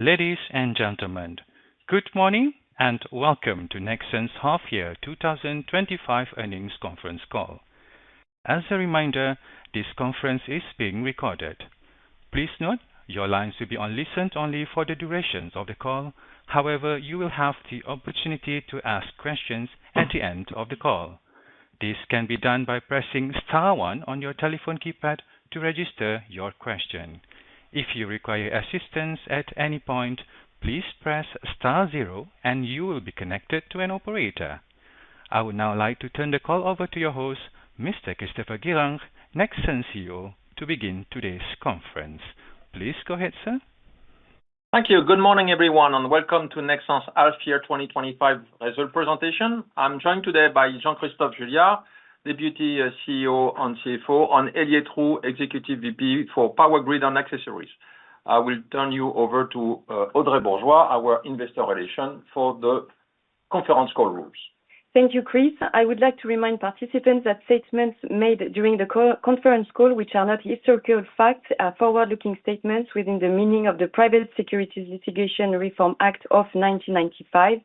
Ladies and gentlemen, good morning and welcome to Nexans' half-year 2025 earnings conference call. As a reminder, this conference is being recorded. Please note, your lines will be on listen only for the duration of the call. However, you will have the opportunity to ask questions at the end of the call. This can be done by pressing star one on your telephone keypad to register your question. If you require assistance at any point, please press star zero and you will be connected to an operator. I would now like to turn the call over to your host, Mr. Christopher Guérin, Nexans CEO, to begin today's conference. Please go ahead, sir. Thank you. Good morning, everyone, and welcome to Nexans' half-year 2025 results presentation. I'm joined today by Jean-Christophe Juillard, Deputy CEO and CFO, and Elyette Roux, Executive VP for Power Grid and Accessories. I will turn you over to Audrey Bourgeois, our Investor Relations, for the conference call rules. Thank you, Chris. I would like to remind participants that statements made during the conference call, which are not historical facts, are forward-looking statements within the meaning of the Private Securities Litigation Reform Act of 1995.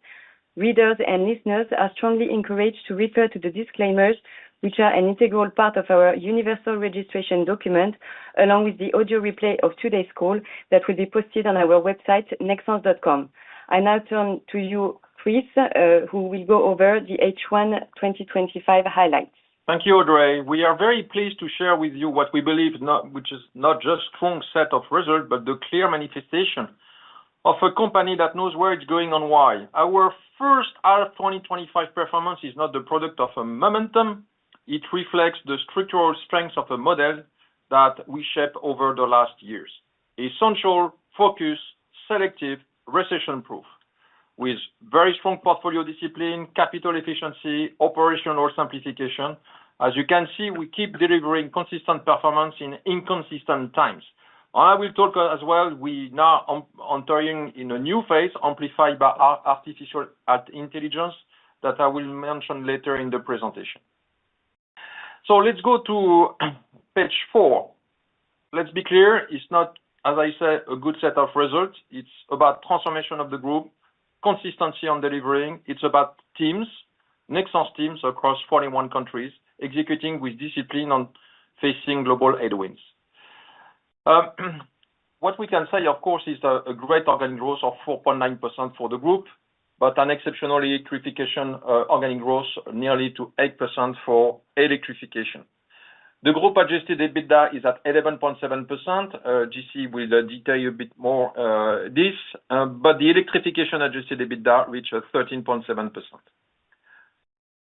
Readers and listeners are strongly encouraged to refer to the disclaimers, which are an integral part of our universal registration document, along with the audio replay of today's call that will be posted on our website, nexans.com. I now turn to you, Chris, who will go over the H1 2025 highlights. Thank you, Audrey. We are very pleased to share with you what we believe is not just a strong set of results, but the clear manifestation of a company that knows where it's going and why. Our first half 2025 performance is not the product of a momentum; it reflects the structural strengths of a model that we shaped over the last years. Essential focus, selective recession proof. With very strong portfolio discipline, capital efficiency, and operational simplification, as you can see, we keep delivering consistent performance in inconsistent times. I will talk as well. We are now entering a new phase, amplified by artificial intelligence that I will mention later in the presentation. Let's go to page four. Let's be clear, it's not, as I said, a good set of results. It's about the transformation of the group, consistency on delivering. It's about teams, Nexans teams, across 41 countries, executing with discipline on facing global headwinds. What we can say, of course, is a great organic growth of 4.9% for the group, but an exceptional electrification organic growth, nearly to 8% for electrification. The group adjusted EBITDA is at 11.7%. Jessie will detail a bit more this, but the electrification adjusted EBITDA reached 13.7%.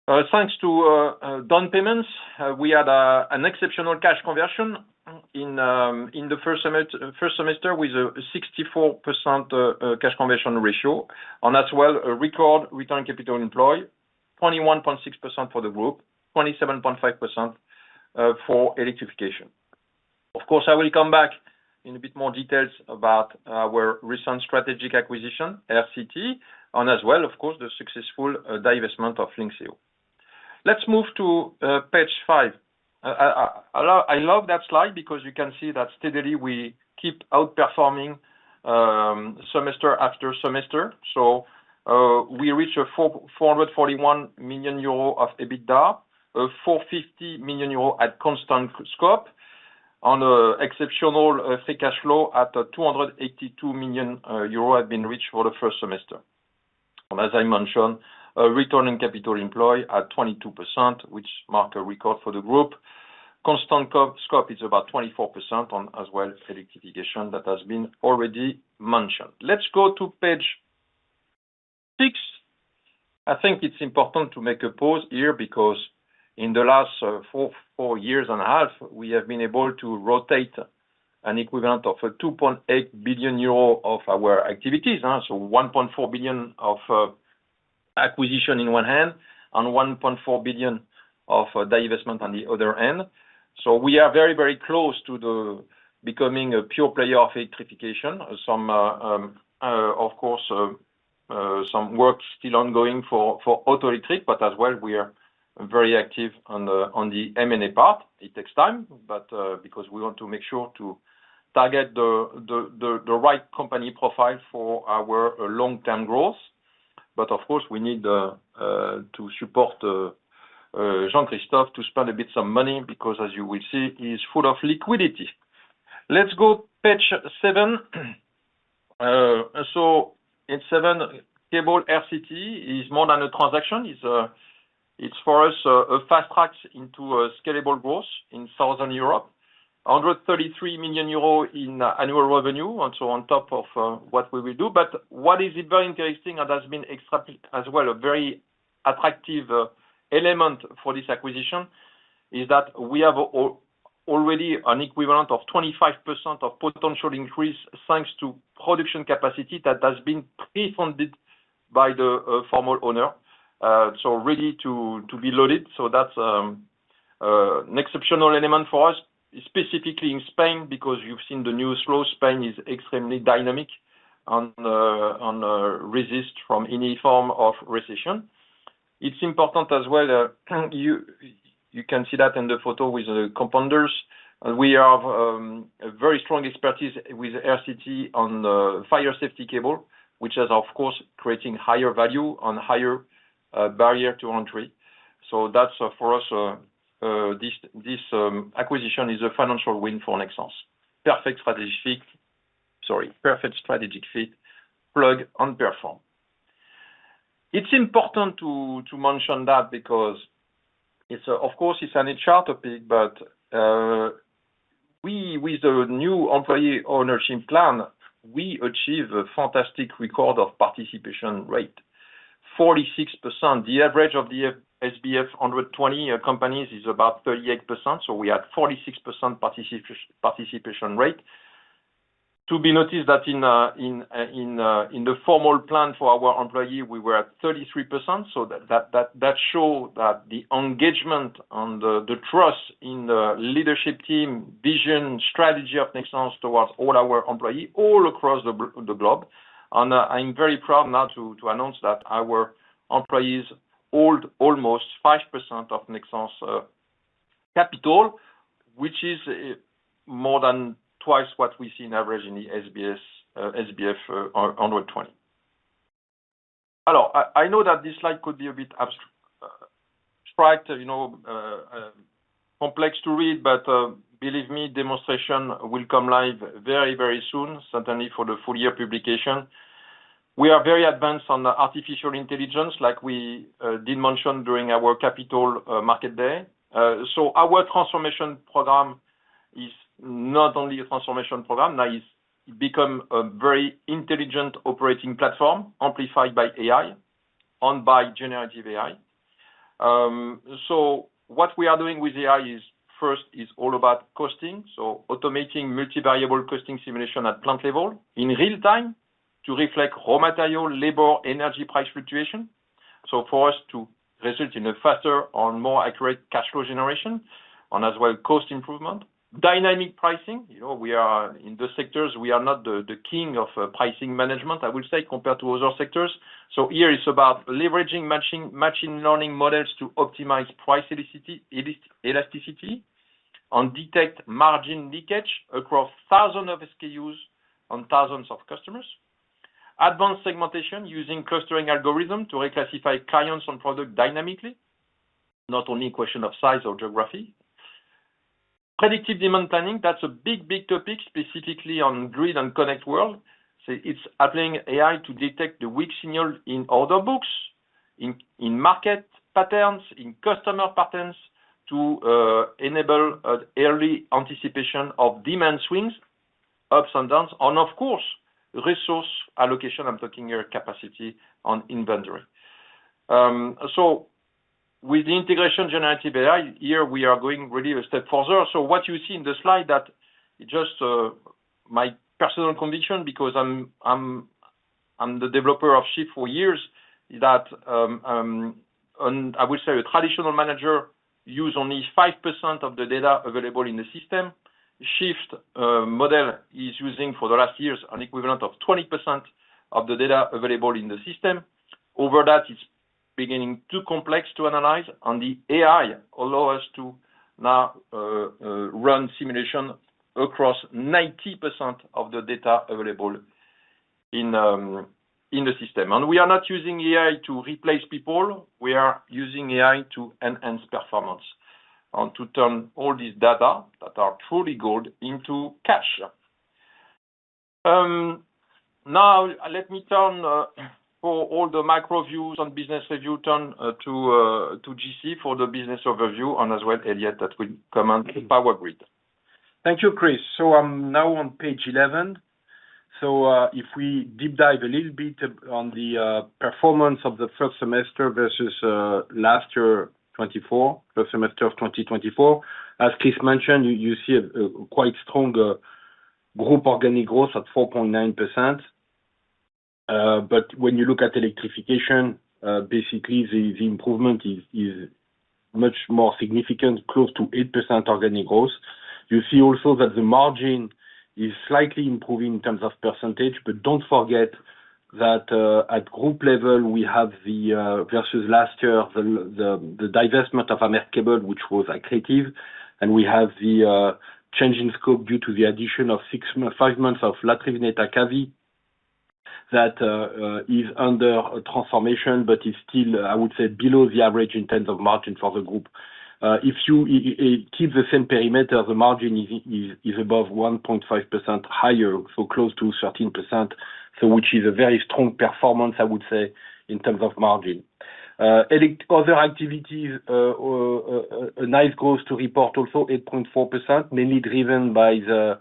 Thanks to down payments, we had an exceptional cash conversion in the first semester with a 64% cash conversion ratio. A record return on capital employed, 21.6% for the group, 27.5% for electrification. I will come back in a bit more detail about our recent strategic acquisition, RCT, and the successful divestment of Lynxeo. Let's move to page five. I love that slide because you can see that steadily we keep outperforming semester after semester. We reached 441 million euro of EBITDA, 450 million euro at constant scope, and an exceptional free cash flow at 282 million euro had been reached for the first semester. As I mentioned, a return on capital employed at 22%, which marks a record for the group. Constant scope is about 24% on electrification that has been already mentioned. Let's go to page six. I think it's important to make a pause here because in the last four years and a half, we have been able to rotate an equivalent of 2.8 billion euro of our activities. 1.4 billion of acquisition in one hand and 1.4 billion of divestment on the other hand. We are very, very close to becoming a pure player of electrification. Of course, some work is still ongoing for Auto Electric, but as well, we are very active on the M&A part. It takes time because we want to make sure to target the right company profile for our long-term growth. Of course, we need to support Jean-Christophe to spend a bit of money because, as you will see, he's full of liquidity. Let's go to page seven. In seven, cable RCT is more than a transaction. It's for us a fast track into scalable growth in Southern Europe. 133 million euros in annual revenue, and so on top of what we will do. What is very interesting and has been extra as well, a very attractive element for this acquisition, is that we have already an equivalent of 25% of potential increase thanks to production capacity that has been pre-funded by the former owner, so ready to be loaded. That's an exceptional element for us, specifically in Spain, because you've seen the news flow. Spain is extremely dynamic and resists from any form of recession. It's important as well. You can see that in the photo with the compounders. We have a very strong expertise with RCT on fire safety cable, which is, of course, creating higher value and higher barrier to entry. This acquisition is a financial win for Nexans. Perfect strategic fit, plug and perform. It's important to mention that because, of course, it's an HR topic, but with the new employee ownership plan, we achieve a fantastic record of participation rate, 46%. The average of the SBF 120 companies is about 38%. We had a 46% participation rate. To be noticed that in the formal plan for our employee, we were at 33%. That shows the engagement and the trust in the leadership team, vision, strategy of Nexans towards all our employees, all across the globe. I'm very proud now to announce that our employees hold almost 5% of Nexans' capital, which is more than twice what we see in average in the SBF 120. I know that this slide could be a bit abstract, complex to read, but believe me, demonstration will come live very, very soon, certainly for the full year publication. We are very advanced on artificial intelligence, like we did mention during our Capital Market Day. Our transformation program is not only a transformation program. It's become a very intelligent operating platform, amplified by AI and by generative AI. What we are doing with AI is first all about costing, automating multivariable costing simulation at plant level in real time to reflect raw material, labor, energy price fluctuation. For us, this results in a faster and more accurate cash flow generation and as well cost improvement, dynamic pricing. You know, we are in the sectors, we are not the king of pricing management, I will say, compared to other sectors. Here it's about leveraging machine learning models to optimize price elasticity and detect margin leakage across thousands of SKUs and thousands of customers. Advanced segmentation using clustering algorithm to reclassify clients and products dynamically, not only a question of size or geography. Predictive demand planning, that's a big, big topic specifically on Grid and Connect World. It's applying AI to detect the weak signal in order books, in market patterns, in customer patterns to enable early anticipation of demand swings, ups and downs, and of course, resource allocation. I'm talking here capacity and inventory. With the integration of generative AI, we are going really a step further. What you see in the slide, that it's just my personal conviction because I'm the developer of Shift for years, is that I will say a traditional manager uses only 5% of the data available in the system. Shift's model is using for the last years an equivalent of 20% of the data available in the system. Over that, it's beginning too complex to analyze, and the AI allows us to now run simulation across 90% of the data available in the system. We are not using AI to replace people. We are using AI to enhance performance and to turn all this data that are truly gold into cash. Now let me turn for all the micro views and business review, turn to JC for the business overview and as well Elyette that will comment on the Power Grid. Thank you, Chris. I'm now on page 11. If we deep dive a little bit on the performance of the first semester versus last year, 2024, first semester of 2024, as Chris mentioned, you see a quite strong group organic growth at 4.9%. When you look at electrification, basically the improvement is much more significant, close to 8% organic growth. You see also that the margin is slightly improving in terms of percentage, but don't forget that at group level, we have, versus last year, the divestment of Americable, which was accretive, and we have the change in scope due to the addition of six months, five months of Latrivenet Acavi that is under a transformation, but it's still, I would say, below the average in terms of margin for the group. If you keep the same perimeter, the margin is above 1.5% higher, so close to 13%, which is a very strong performance, I would say, in terms of margin. Other activities, a nice growth to report also, 8.4%, mainly driven by the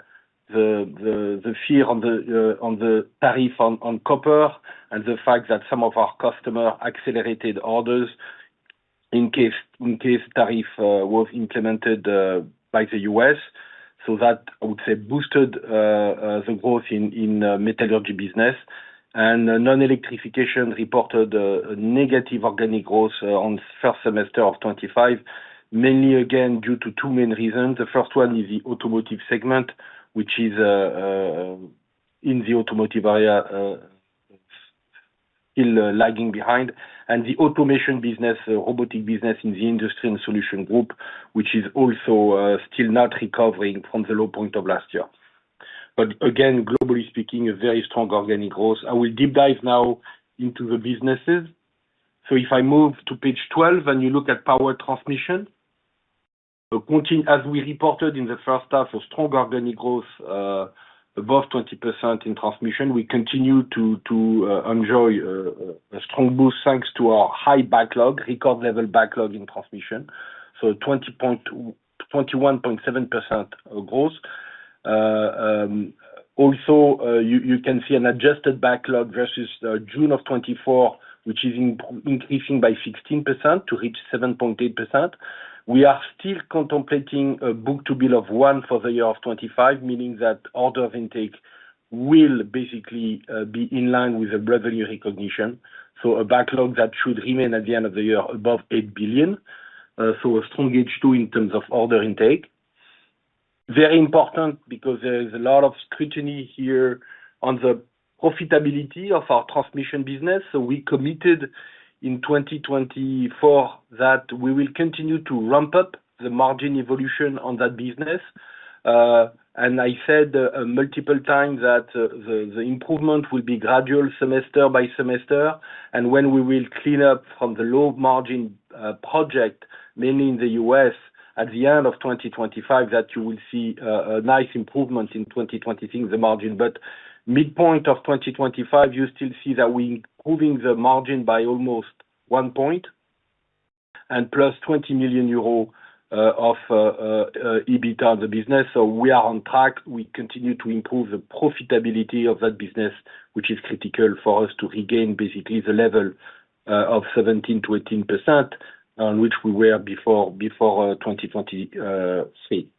fear on the tariff on copper and the fact that some of our customers accelerated orders in case tariff was implemented by the U.S. That, I would say, boosted the growth in the metallurgy business. Non-electrification reported a negative organic growth on the first semester of 2025, mainly again due to two main reasons. The first one is the automotive segment, which is in the automotive area still lagging behind, and the automation business, robotic business in the industry and solution group, which is also still not recovering from the low point of last year. Again, globally speaking, a very strong organic growth. I will deep dive now into the businesses. If I move to page 12 and you look at power transmission, as we reported in the first half, a strong organic growth above 20% in transmission. We continue to enjoy a strong boost thanks to our high backlog, record-level backlog in transmission. 21.7% growth. You can see an adjusted backlog versus June of 2024, which is increasing by 16% to reach 7.8%. We are still contemplating a book-to-bill of one for the year of 2025, meaning that order of intake will basically be in line with revenue recognition. A backlog that should remain at the end of the year above 8 billion. A strong H2 in terms of order intake. Very important because there is a lot of scrutiny here on the profitability of our transmission business. We committed in 2024 that we will continue to ramp up the margin evolution on that business. I said multiple times that the improvement will be gradual semester by semester. When we clean up from the low margin project, mainly in the U.S., at the end of 2025, you will see a nice improvement in 2026 in the margin. At the midpoint of 2025, you still see that we're improving the margin by almost 1 point and +20 million euro of EBITDA on the business. We are on track. We continue to improve the profitability of that business, which is critical for us to regain basically the level of 17%-18% on which we were before 2023.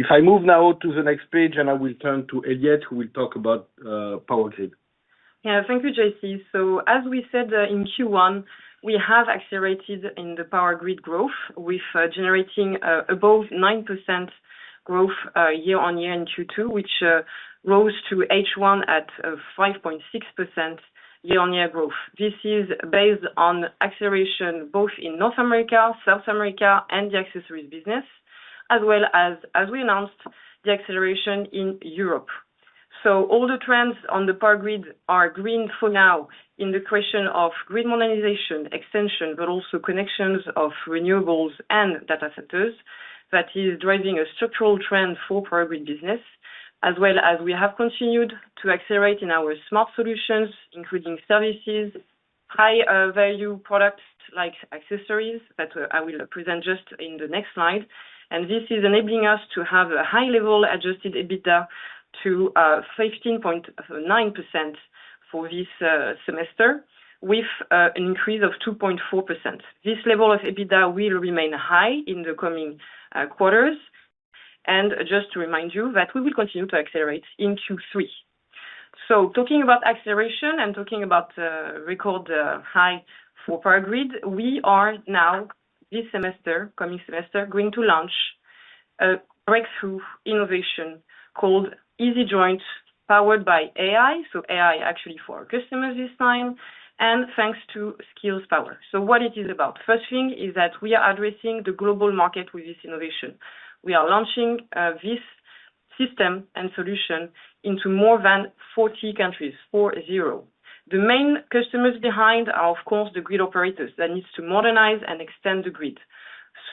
If I move now to the next page, I will turn to Élodie, who will talk about Power Grid. Yeah, thank you, JC. As we said in Q1, we have accelerated in the Power Grid growth with generating above 9% growth year-on year in Q2, which rose to H1 at 5.6% year-on-year growth. This is based on acceleration both in North America, South America, and the accessories business, as well as, as we announced, the acceleration in Europe. All the trends on the Power Grid are green for now in the question of grid modernization, extension, but also connections of renewables and data centers that is driving a structural trend for Power Grid business, as well as we have continued to accelerate in our smart solutions, including services, high-value products like accessories that I will present just in the next slide. This is enabling us to have a high-level adjusted EBITDA to 15.9% for this semester with an increase of 2.4%. This level of EBITDA will remain high in the coming quarters. Just to remind you that we will continue to accelerate in Q3. Talking about acceleration and talking about the record high for Power Grid, we are now this semester, coming semester, going to launch a breakthrough innovation called EasyJoint, powered by AI. AI actually for our customers this time, and thanks to SkillsPower. What it is about? First thing is that we are addressing the global market with this innovation. We are launching this system and solution into more than 40 countries for zero. The main customers behind are, of course, the grid operators that need to modernize and extend the grid.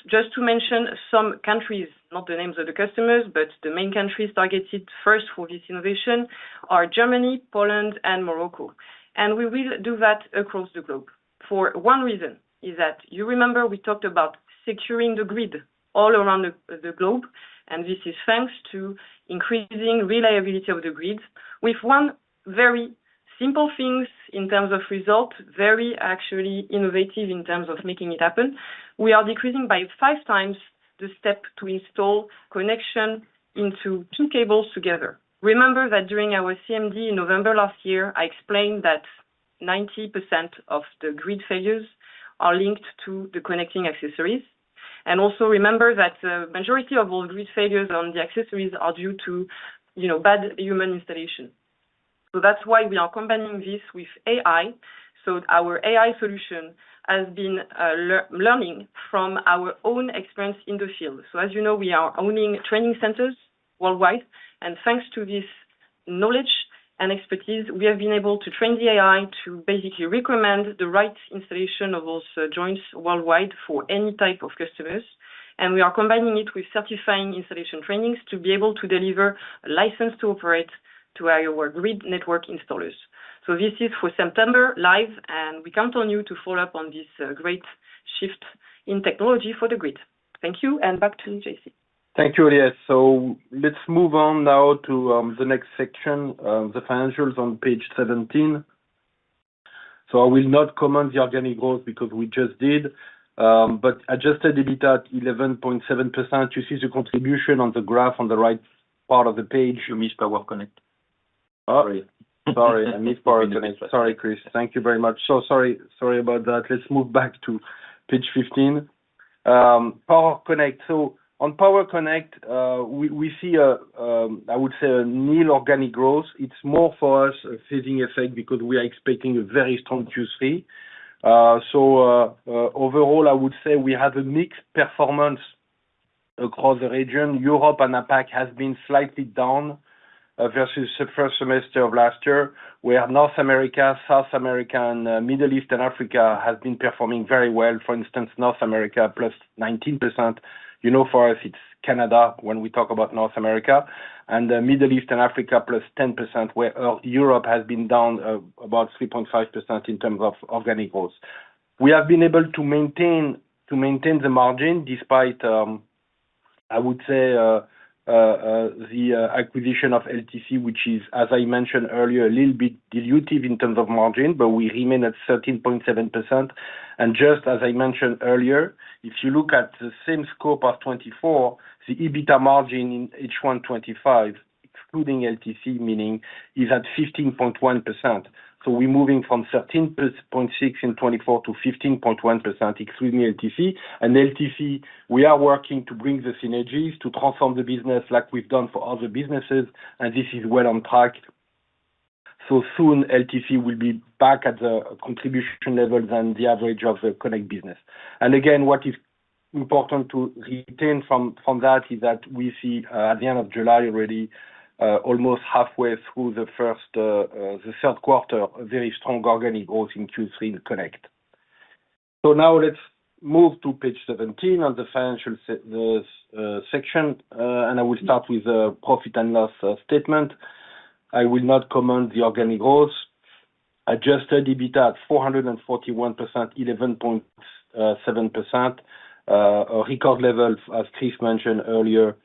Just to mention some countries, not the names of the customers, but the main countries targeted first for this innovation are Germany, Poland, and Morocco. We will do that across the globe for one reason, is that you remember we talked about securing the grid all around the globe. This is thanks to increasing reliability of the grid. With one very simple thing in terms of result, very actually innovative in terms of making it happen, we are decreasing by five times the step to install connection into two cables together. Remember that during our CMD in November last year, I explained that 90% of the grid failures are linked to the connecting accessories. Also remember that the majority of all grid failures on the accessories are due to, you know, bad human installation. That's why we are combining this with AI. Our AI solution has been learning from our own experience in the field. As you know, we are owning training centers worldwide. Thanks to this knowledge and expertise, we have been able to train the AI to basically recommend the right installation of those joints worldwide for any type of customers. We are combining it with certifying installation trainings to be able to deliver a license to operate to our grid network installers. This is for September live, and we count on you to follow up on this great shift in technology for the grid. Thank you and back to JC. Thank you, Elyette. Let's move on now to the next section, the financials on page 17. I will not comment the organic growth because we just did, but adjusted EBITDA at 11.7%. You see the contribution on the graph on the right part of the page. You missed Power Connect. Sorry. I missed Power Connect. Sorry, Chris. Thank you very much. Sorry about that. Let's move back to page 15. Power Connect. On Power Connect, we see, I would say, a nil organic growth. It's more for us a phasing effect because we are expecting a very strong Q3. Overall, I would say we had a mixed performance across the region. Europe and APAC have been slightly down versus the first semester of last year, where North America, South America, and Middle East and Africa have been performing very well. For instance, North America +9%. For us, it's Canada when we talk about North America. The Middle East and Africa plus 10%, where Europe has been down about 3.5% in terms of organic growth. We have been able to maintain the margin despite the acquisition of LTC, which is, as I mentioned earlier, a little bit dilutive in terms of margin, but we remain at 13.7%. Just as I mentioned earlier, if you look at the same scope as 2024, the EBITDA margin in H1 2025, excluding LTC, is at 15.1%. We're moving from 13.6% in 2024 to 15.1%, including LTC. LTC, we are working to bring the synergies to transform the business like we've done for other businesses, and this is well on track. Soon, LTC will be back at the contribution levels and the average of the Connect business. What is important to retain from that is that we see at the end of July already, almost halfway through the third quarter, a very strong organic growth in Q3 in Connect. Now let's move to page 17 on the financial section, and I will start with the profit and loss statement. I will not comment the organic growth. Adjusted EBITDA at 441 million, 11.7%. A record level, as Chris mentioned earlier,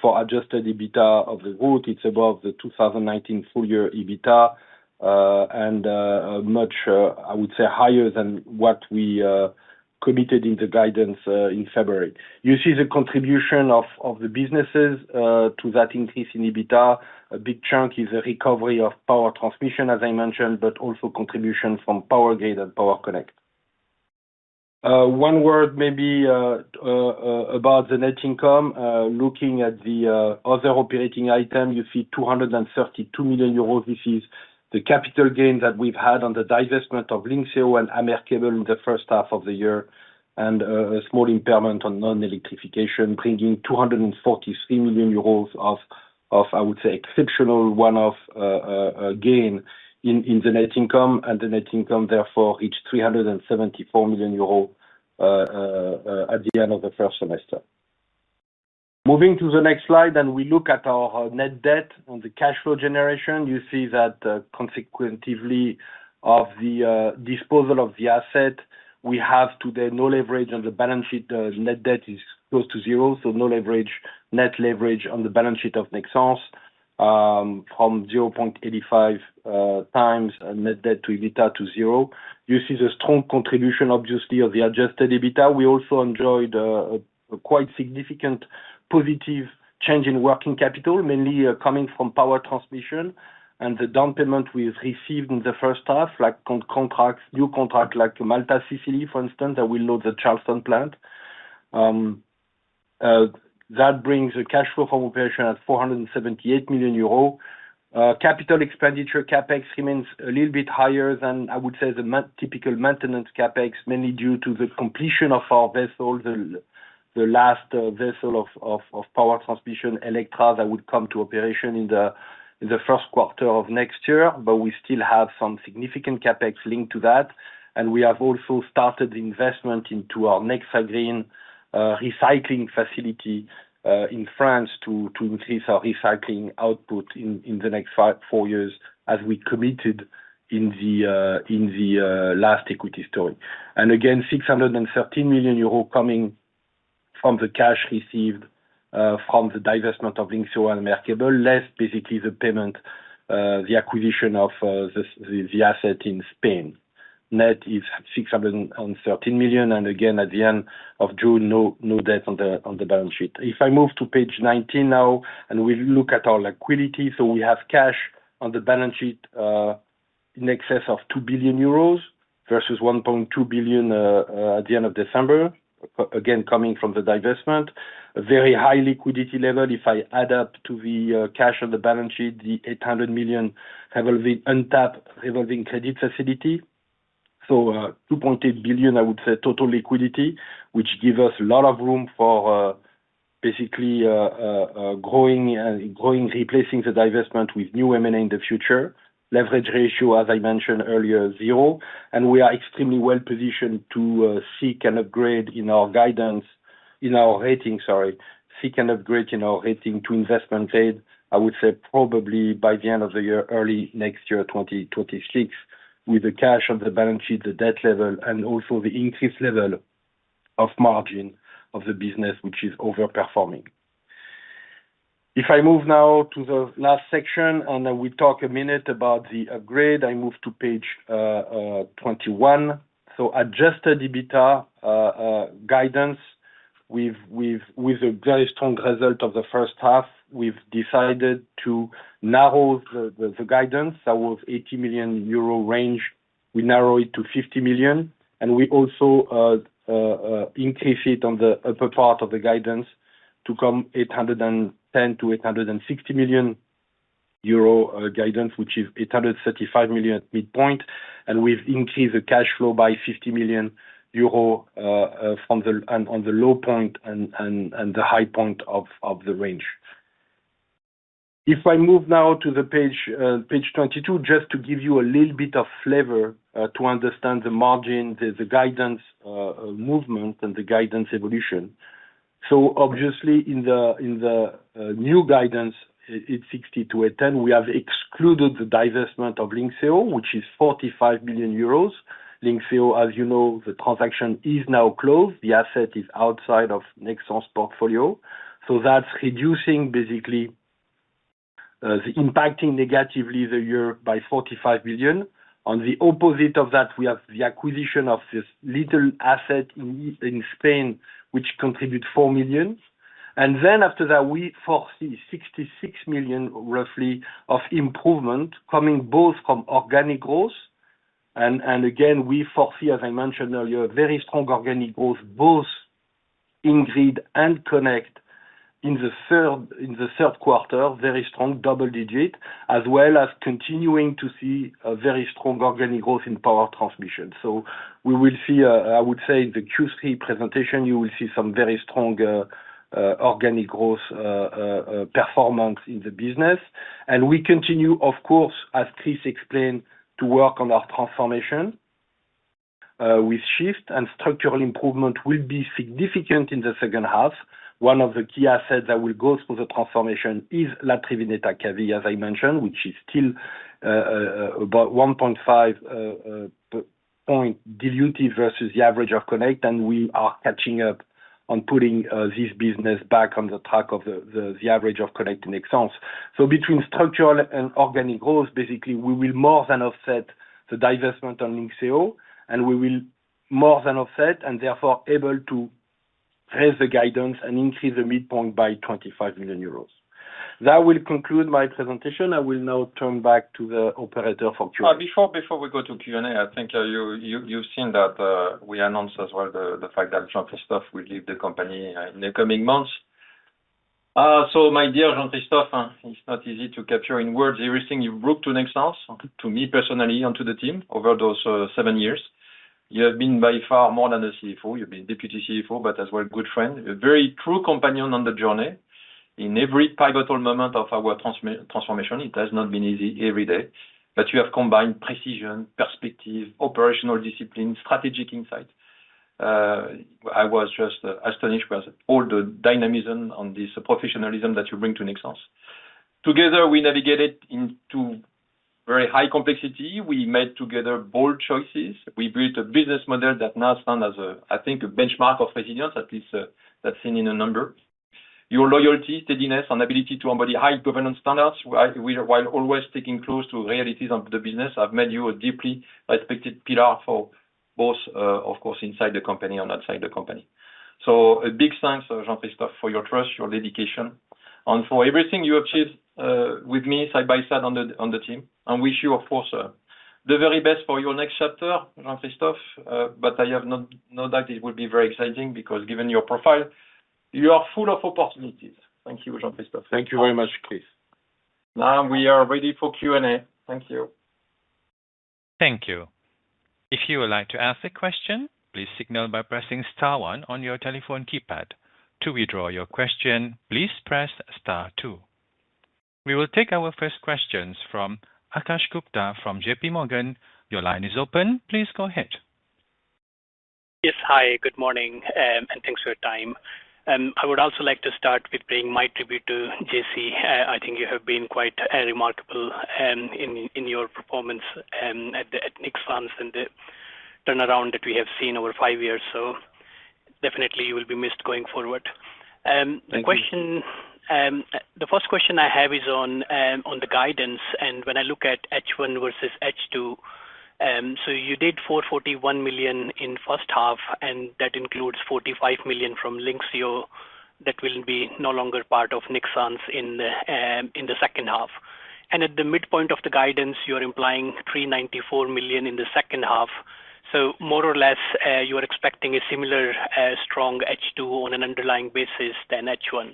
for adjusted EBITDA of the group. It's above the 2019 full-year EBITDA and much higher than what we committed in the guidance in February. You see the contribution of the businesses to that increase in EBITDA. A big chunk is the recovery of Power Transmission, as I mentioned, but also contribution from Power Grid and Power Connect. One word maybe about the net income. Looking at the other operating item, you see 232 million euros. This is the capital gain that we've had on the divestment of Lynxeo and Americable in the first half of the year and a small impairment on non-electrification, bringing 243 million euros of, I would say, exceptional one-off gain in the net income. The net income, therefore, reached 374 million euros at the end of the first semester. Moving to the next slide, and we look at our net debt on the cash flow generation, you see that consequently of the disposal of the asset, we have today no leverage on the balance sheet. The net debt is close to zero. No net leverage on the balance sheet of Nexans from 0.85x net debt to EBITDA to zero. You see the strong contribution, obviously, of the adjusted EBITDA. We also enjoyed a quite significant positive change in working capital, mainly coming from power transmission and the down payment we've received in the first half, like new contracts like Malta, Sicily, for instance, that will load the Charleston plant. That brings a cash flow from operation at 478 million euros. Capital expenditure, CapEx, remains a little bit higher than, I would say, the typical maintenance CapEx, mainly due to the completion of our vessel, the last vessel of power transmission, Electra, that would come to operation in the first quarter of next year. We still have some significant CapEx linked to that. We have also started the investment into our Nexal Green recycling faility in France to increase our recycling output in the next four years as we committed in the last equity story. 613 million euros coming from the cash received from the divestment of Lynxeo and Americable, less basically the payment, the acquisition of the asset in Spain. Net is 613 million. At the end of June, no debt on the balance sheet. If I move to page 19 now and we look at our liquidity, we have cash on the balance sheet in excess of 2 billion euros versus 1.2 billion at the end of December, again coming from the divestment. A very high liquidity level. If I add up to the cash on the balance sheet, the 800 million revolving credit facility. 2.8 billion, I would say, total liquidity, which gives us a lot of room for basically growing, replacing the divestment with new M&A in the future. Leverage ratio, as I mentioned earlier, zero. We are extremely well positioned to seek an upgrade in our rating to investment grade, I would say probably by the end of the year, early next year, 2026, with the cash on the balance sheet, the debt level, and also the increased level of margin of the business, which is overperforming. If I move now to the last section and I will talk a minute about the upgrade, I move to page 21. Adjusted EBITDA guidance with a very strong result of the first half. We've decided to narrow the guidance that was 80 million euro range. We narrow it to 50 million. We also increase it on the upper part of the guidance to come 810 million-860 million euro guidance, which is 835 million at midpoint. We've increased the cash flow by 50 million euro from the low point and the high point of the range. If I move now to page 22, just to give you a little bit of flavor to understand the margin, the guidance movement, and the guidance evolution. Obviously, in the new guidance, 860 million-810 million, we have excluded the divestment of Lynxeo, which is 45 million euros. Lynxeo, as you know, the transaction is now closed. The asset is outside of Nexans' portfolio. That's reducing, basically impacting negatively the year by 45 million. On the opposite of that, we have the acquisition of this little asset in Spain, which contributes 4 million. After that, we foresee 66 million roughly of improvement coming both from organic growth. Again, we foresee, as I mentioned earlier, very strong organic growth both in Grid and Connect in the third quarter, very strong double digit, as well as continuing to see a very strong organic growth in power transmission. We will see, I would say, in the Q3 presentation, you will see some very strong organic growth performance in the business. We continue, of course, as Chris explained, to work on our transformation with Shift, and structural improvement will be significant in the second half. One of the key assets that will go through the transformation is Latrivenet Acavi, as I mentioned, which is still about 1.5 point dilutive versus the average of Connect. We are catching up on putting this business back on the track of the average of Connect and Nexans. Between structural and organic growth, basically, we will more than offset the divestment on Lynxeo, and we will more than offset and therefore be able to raise the guidance and increase the midpoint by 25 million euros. That will conclude my presentation. I will now turn back to the operator for Q&A. Before we go to Q&A, I think you've seen that we announced as well the fact that Jean-Christophe Juillard will leave the company in the coming months. My dear Jean-Christophe, it's not easy to capture in words everything you've brought to Nexans and to me personally and to the team over those seven years. You have been by far more than a CFO. You've been a Deputy CFO, but as well, a good friend, a very true companion on the journey. In every pivotal moment of our transformation, it has not been easy every day. You have combined precision, perspective, operational discipline, and strategic insight. I was just astonished by all the dynamism and this professionalism that you bring to Nexans. Together, we navigated into very high complexity. We made together bold choices. We built a business model that now stands as, I think, a benchmark of resilience, at least that's seen in a number. Your loyalty, steadiness, and ability to embody high governance standards, while always sticking close to the realities of the business, have made you a deeply respected pillar for both, of course, inside the company and outside the company. A big thanks, Jean-Christophe, for your trust, your dedication, and for everything you achieved with me side by side on the team. I wish you, of course, the very best for your next chapter, Jean-Christophe, but I have no doubt it will be very exciting because given your profile, you are full of opportunities. Thank you, Jean-Christophe. Thank you very much, Chris. Now we are ready for Q&A. Thank you. Thank you. If you would like to ask a question, please signal by pressing star one on your telephone keypad. To withdraw your question, please press star two. We will take our first questions from Akash Gupta from JPMorgan. Your line is open. Please go ahead. Yes. Hi. Good morning and thanks for your time. I would also like to start with paying my tribute to Jean-Christophe. I think you have been quite remarkable in your performance at Nexans and the turnaround that we have seen over five years. You will be missed going forward. Thank you. The first question I have is on the guidance. When I look at H1 versus H2, you did 441 million in the first half, and that includes 45 million from Lynxeo that will be no longer part of Nexans in the second half. At the midpoint of the guidance, you're implying 394 million in the second half. More or less, you are expecting a similar strong H2 on an underlying basis than H1.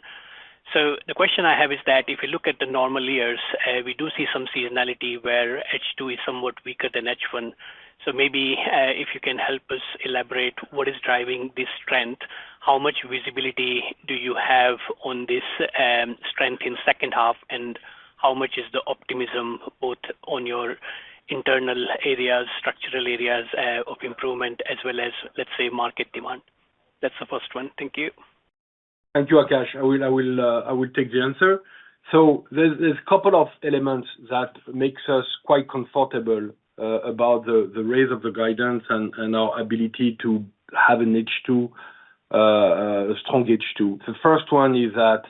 The question I have is that if you look at the normal years, we do see some seasonality where H2 is somewhat weaker than H1. Maybe if you can help us elaborate what is driving this strength, how much visibility do you have on this strength in the second half, and how much is the optimism both on your internal areas, structural areas of improvement, as well as, let's say, market demand? That's the first one. Thank you. Thank you, Akash. I will take the answer. There's a couple of elements that make us quite comfortable about the raise of the guidance and our ability to have a strong H2. The first one is that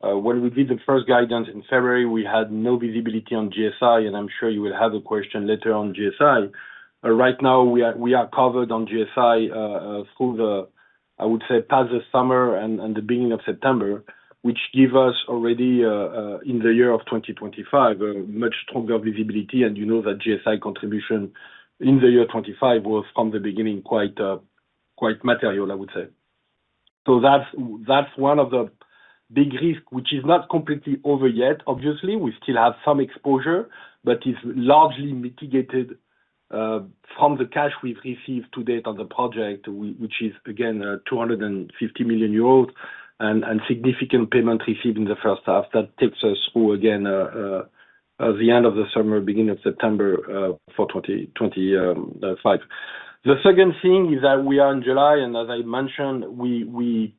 when we did the first guidance in February, we had no visibility on GSI. I'm sure you will have a question later on GSI. Right now, we are covered on GSI through the past the summer and the beginning of September, which gives us already in the year 2025 a much stronger visibility. You know that GSI contribution in the year 2025 was from the beginning quite material, I would say. That's one of the big risks, which is not completely over yet. Obviously, we still have some exposure, but it's largely mitigated from the cash we've received to date on the project, which is, again, 250 million euros and significant payments received in the first half. That takes us through, again, the end of the summer, beginning of September for 2025. The second thing is that we are in July. As I mentioned, we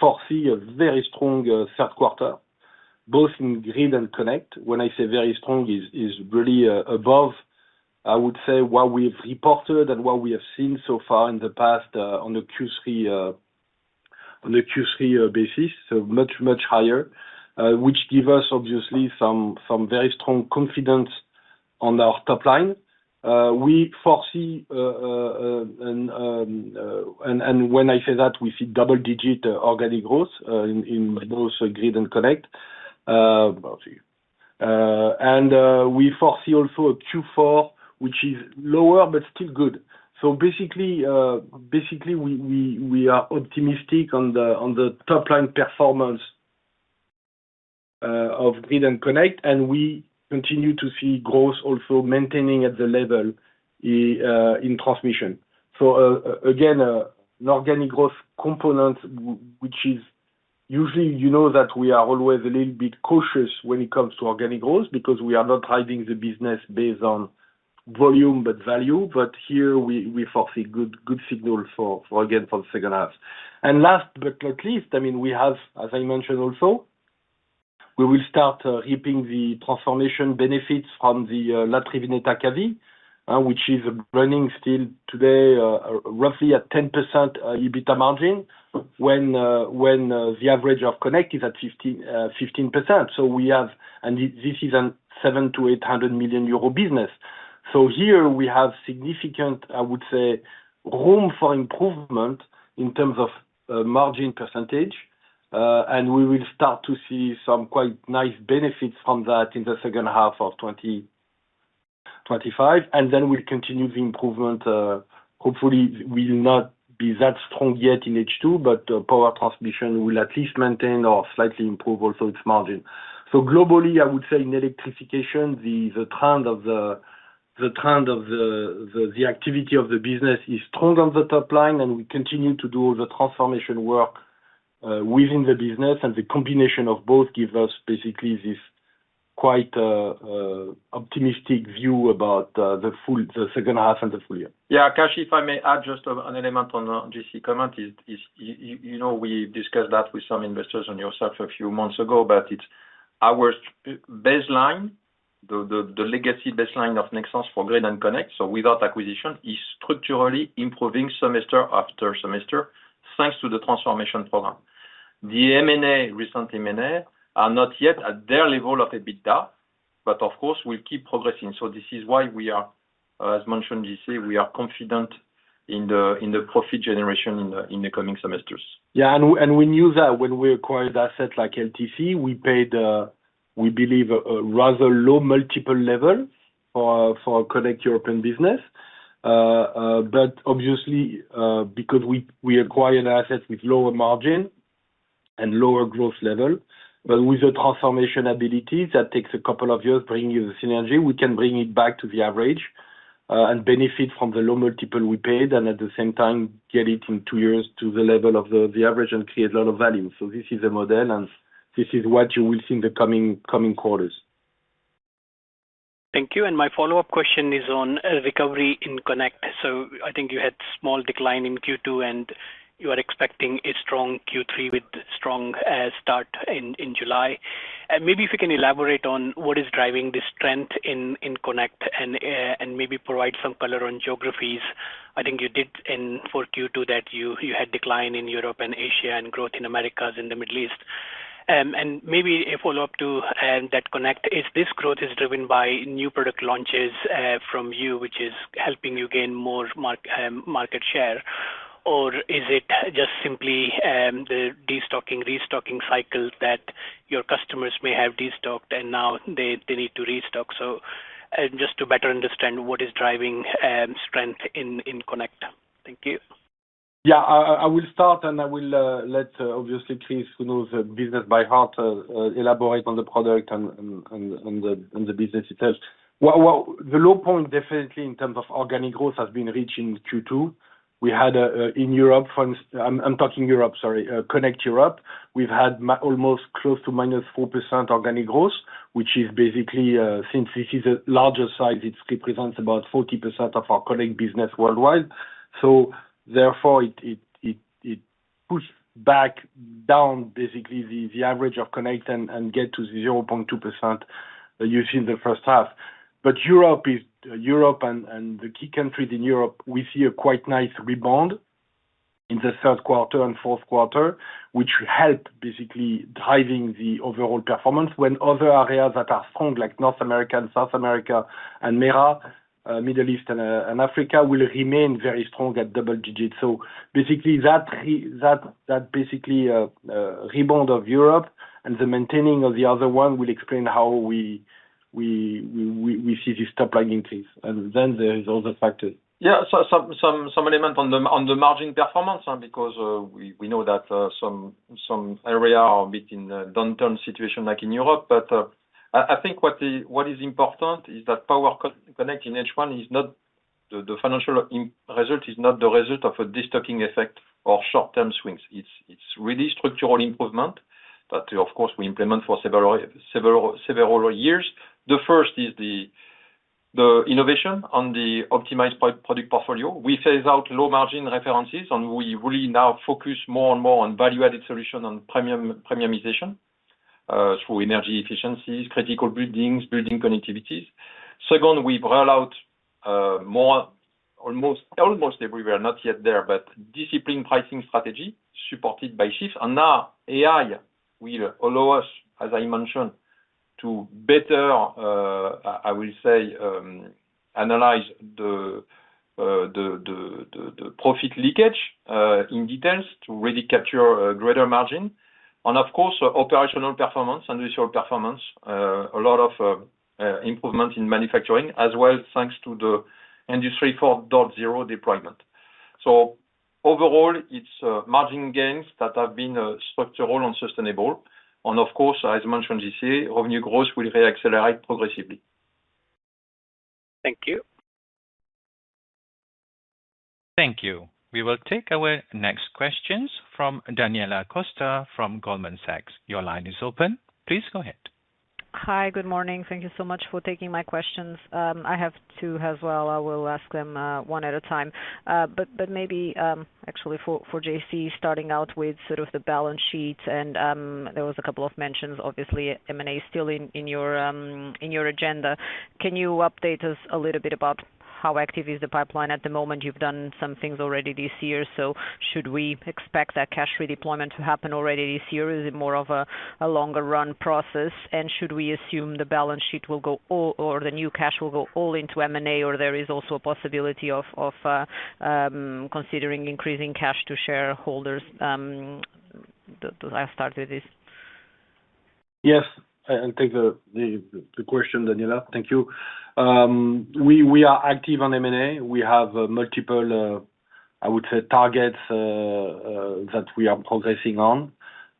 foresee a very strong third quarter, both in Grid and Connect. When I say very strong, it's really above what we've reported and what we have seen so far in the past on the Q3 basis. Much, much higher, which gives us, obviously, some very strong confidence on our top line. We foresee, and when I say that, we see double-digit organic growth in both Grid and Connect. We foresee also a Q4, which is lower but still good. Basically, we are optimistic on the top-line performance of Grid and Connect. We continue to see growth also maintaining at the level in transmission. Again, an organic growth component, which is usually, you know that we are always a little bit cautious when it comes to organic growth because we are not driving the business based on volume but value. Here, we foresee good signal for, again, for the second half. Last but not least, as I mentioned also, we will start reaping the transformation benefits from the Latrivenet Acavi, which is running still today roughly at 10% EBITDA margin when the average of Connect is at 15%. This is a 700 million-800 million euro business. Here, we have significant room for improvement in terms of margin percentage. We will start to see some quite nice benefits from that in the second half of 2025. Then we'll continue the improvement. Hopefully, we'll not be that strong yet in H2, but Power Transmission will at least maintain or slightly improve also its margin. Globally, I would say in electrification, the trend of the activity of the business is strong on the top line. We continue to do all the transformation work within the business, and the combination of both gives us basically this quite optimistic view about the second half and the full year. Yeah. Akash, if I may add just an element on JC's comment, you know we discussed that with some investors and yourself a few months ago, but it's our baseline, the legacy baseline of Nexans for Grid and Connect. Without acquisition, it's structurally improving semester after semester thanks to the transformation program. The recent M&A are not yet at their level of EBITDA, but of course, we'll keep progressing. This is why we are, as mentioned, Jessie, we are confident in the profit generation in the coming semesters. Yeah. We knew that when we acquired assets like LTC, we paid, we believe, a rather low multiple level for a Connect European business. Obviously, because we acquire an asset with lower margin and lower growth level, but with a transformation ability that takes a couple of years to bring you the synergy, we can bring it back to the average and benefit from the low multiple we paid and at the same time get it in two years to the level of the average and create a lot of value. This is the model, and this is what you will see in the coming quarters. Thank you. My follow-up question is on recovery in Connect. I think you had a small decline in Q2, and you are expecting a strong Q3 with a strong start in July. If you can elaborate on what is driving this strength in Connect and maybe provide some color on geographies. I think you did in Q2 that you had decline in Europe and Asia and growth in Americas and the Middle East. A follow-up to that Connect is this growth driven by new product launches from you, which is helping you gain more market share, or is it simply the restocking cycle that your customers may have destocked and now they need to restock? I want to better understand what is driving strength in Connect. Thank you. Yeah. I will start, and I will let obviously Chris, who knows the business by heart, elaborate on the product and the business itself. The low point definitely in terms of organic growth has been reached in Q2. We had in Europe, I'm talking Europe, sorry, Connect Europe, we've had almost close to -4% organic growth, which is basically, since this is a larger size, it represents about 40% of our Connect business worldwide. Therefore, it pushed back down basically the average of Connect and get to 0.2% you've seen in the first half. Europe is Europe and the key countries in Europe, we see a quite nice rebound in the third quarter and fourth quarter, which will help basically driving the overall performance when other areas that are strong, like North America, South America, and Middle East and Africa, will remain very strong at double digits. Basically, that rebound of Europe and the maintaining of the other one will explain how we see this top line increase. Then there are other factors. Yeah. Some element on the margin performance because we know that some areas are a bit in a downturn situation like in Europe. I think what is important is that Power Connect in H1 is not the financial result, is not the result of a destocking effect or short-term swings. It's really structural improvement that, of course, we implement for several years. The first is the innovation on the optimized product portfolio. We phase out low margin references, and we really now focus more and more on value-added solutions and premiumization through energy efficiencies, critical buildings, building connectivities. Second, we roll out more, almost everywhere, not yet there, but disciplined pricing strategy supported by Shift. Now AI will allow us, as I mentioned, to better, I will say, analyze the profit leakage in details to really capture a greater margin. Of course, operational performance, industrial performance, a lot of improvements in manufacturing as well thanks to the Industry 4.0 deployment. Overall, it's margin gains that have been structural and sustainable. Of course, as mentioned, JC, revenue growth will reaccelerate progressively. Thank you. Thank you. We will take our next questions from Daniela costa from Goldman Sachs. Your line is open. Please go ahead. Hi. Good morning. Thank you so much for taking my questions. I have two as well. I will ask them one at a time. Maybe actually for Jean-Christophe, starting out with sort of the balance sheet, and there were a couple of mentions, obviously, M&A still in your agenda. Can you update us a little bit about how active is the pipeline at the moment? You've done some things already this year. Should we expect that cash redeployment to happen already this year? Is it more of a longer-run process? Should we assume the balance sheet will go or the new cash will go all into M&A, or is there also a possibility of considering increasing cash to shareholders? I'll start with this. Yes. I take the question, Daniela. Thank you. We are active on M&A. We have multiple, I would say, targets that we are progressing on.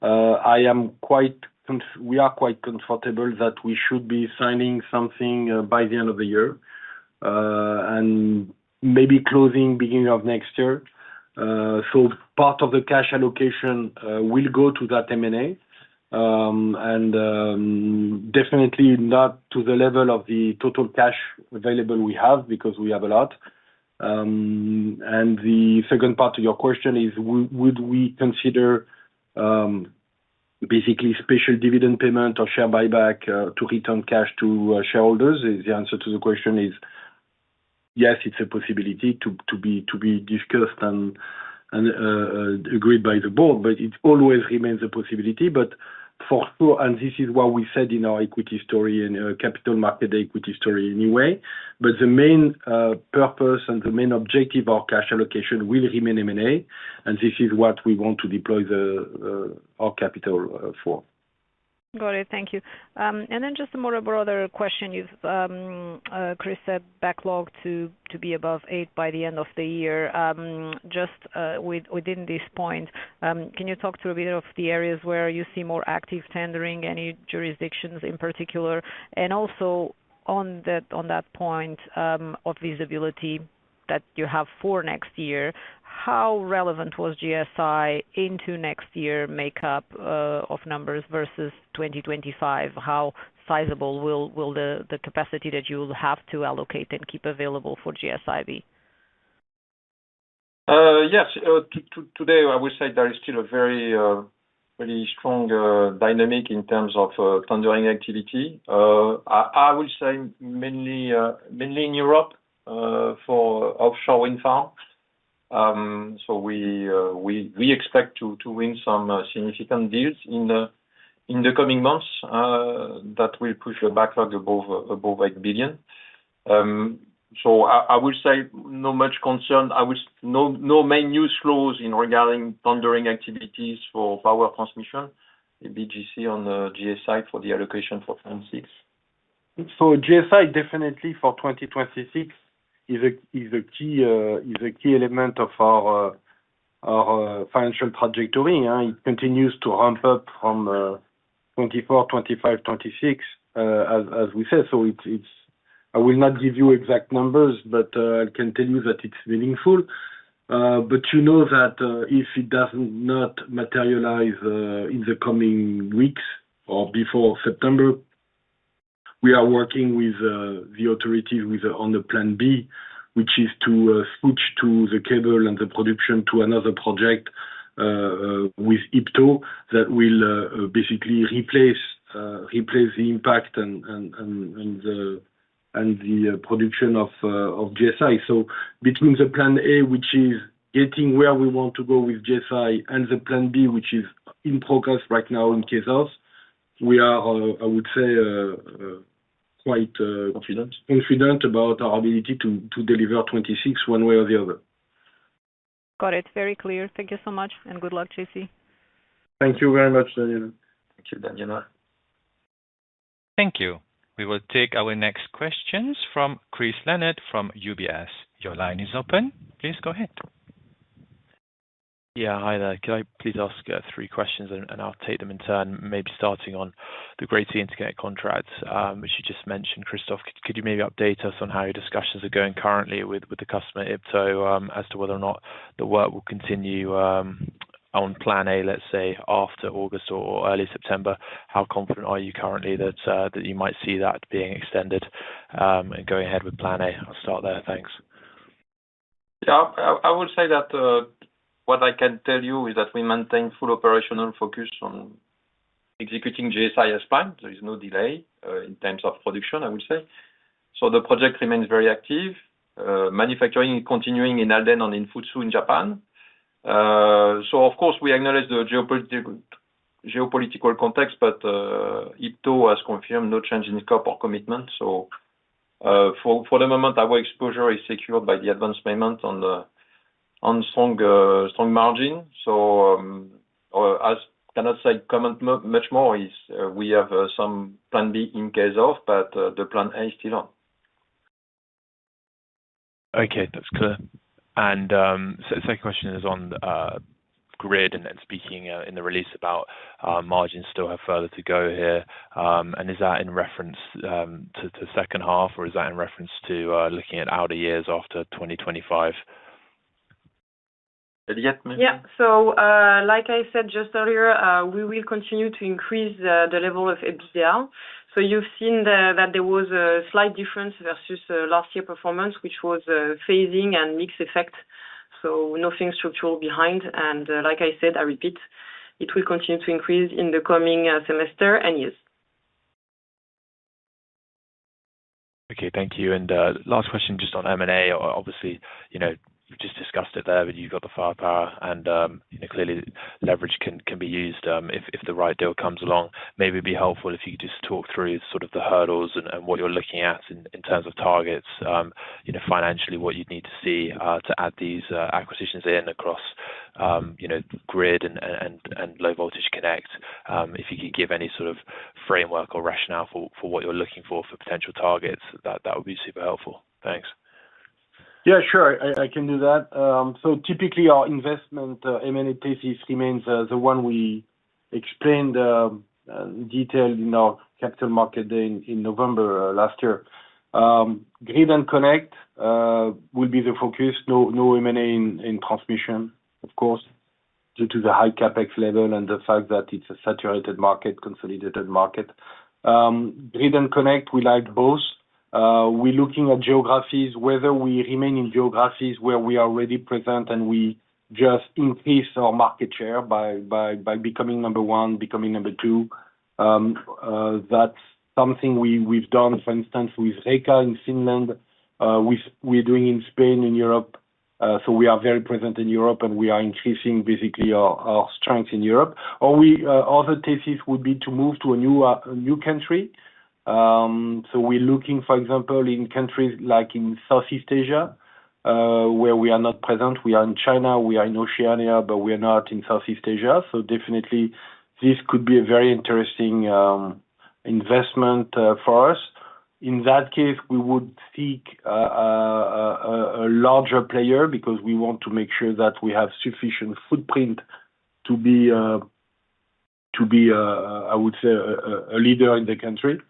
We are quite comfortable that we should be signing something by the end of the year and maybe closing the beginning of next year. Part of the cash allocation will go to that M&A and definitely not to the level of the total cash available we have because we have a lot. The second part of your question is, would we consider basically special dividend payment or share buyback to return cash to shareholders? The answer to the question is yes, it's a possibility to be discussed and agreed by the board, but it always remains a possibility. For sure, this is what we said in our equity story and capital market equity story anyway. The main purpose and the main objective of our cash allocation will remain M&A. This is what we want to deploy our capital for. Got it. Thank you. Just a more broader question. Chris, you said backlog to be above eight by the end of the year. Within this point, can you talk through a bit of the areas where you see more active tendering, any jurisdictions in particular? Also, on that point of visibility that you have for next year, how relevant was GSI into next year's makeup of numbers versus 2025? How sizable will the capacity that you will have to allocate and keep available for GSI be? Yes. Today, I would say there is still a very strong dynamic in terms of tendering activity. I will say mainly in Europe for offshore wind farms. We expect to win some significant deals in the coming months that will push the backlog above 8 billion. I will say no much concern. I will no main news flows in regarding tendering activities for power transmission. A BGC on GSI for the allocation for 2026. For GSI, definitely for 2026 is a key element of our financial trajectory. It continues to ramp up from 2024, 2025, 2026, as we said. I will not give you exact numbers, but I can tell you that it's meaningful. You know that if it does not materialize in the coming weeks or before September, we are working with the authorities on the plan B, which is to switch the cable and the production to another project with IPTO that will basically replace the impact and the production of GSI. Between the plan A, which is getting where we want to go with GSI, and the plan B, which is in progress right now in KSAS, we are, I would say, quite confident about our ability to deliver 2026 one way or the other. Got it. Very clear. Thank you so much. Good luck, JC. Thank you very much, Daniela. Thank you, Daniela. Thank you. We will take our next questions from Chris Leonard from UBS. Your line is open. Please go ahead. Hi, there. Could I please ask three questions, and I'll take them in turn, maybe starting on the greater internet contracts, which you just mentioned, Christophe? Could you maybe update us on how your discussions are going currently with the customer IPTO as to whether or not the work will continue on plan A, let's say, after August or early September? How confident are you currently that you might see that being extended and going ahead with plan A? I'll start there. Thanks. Yeah. I would say that what I can tell you is that we maintain full operational focus on executing GSI as planned. There is no delay in terms of production, I would say. The project remains very active. Manufacturing is continuing in Alden and in Futsu in Japan. We acknowledge the geopolitical context, but IPTO has confirmed no change in scope or commitment. For the moment, our exposure is secured by the advanced payment on the strong margin. I cannot say much more. We have some plan B in case of, but the plan A is still on. Okay. That's clear. The second question is on the grid and speaking in the release about margins still have further to go here. Is that in reference to the second half, or is that in reference to looking at outer years after 2025? Yet, maybe? Yeah. Like I said just earlier, we will continue to increase the level of EPDL. You've seen that there was a slight difference versus last year's performance, which was phasing and mix effect. Nothing structural behind. Like I said, I repeat, it will continue to increase in the coming semester and years. Thank you. Last question just on M&A. Obviously, you know, you've just discussed it there, but you've got the firepower. You know clearly, leverage can be used if the right deal comes along. Maybe it'd be helpful if you could just talk through the hurdles and what you're looking at in terms of targets. You know financially, what you'd need to see to add these acquisitions in across grid and low-voltage connect. If you could give any sort of framework or rationale for what you're looking for for potential targets, that would be super helpful. Thanks. Yeah, sure. I can do that. Typically, our investment M&A thesis remains the one we explained in detail in our Capital Market Day in November last year. Grid and Connect will be the focus. No M&A in transmission, of course, due to the high CapEx level and the fact that it's a saturated market, consolidated market. Grid and Connect, we like both. We're looking at geographies, whether we remain in geographies where we are already present and we just increase our market share by becoming number one, becoming number two. That's something we've done, for instance, with Reka in Finland. We're doing in Spain, in Europe. We are very present in Europe, and we are increasing basically our strength in Europe. The thesis would be to move to a new country. We're looking, for example, in countries like Southeast Asia, where we are not present. We are in China. We are in Oceania, but we are not in Southeast Asia. Definitely, this could be a very interesting investment for us. In that case, we would seek a larger player because we want to make sure that we have sufficient footprint to be, I would say, a leader in the country.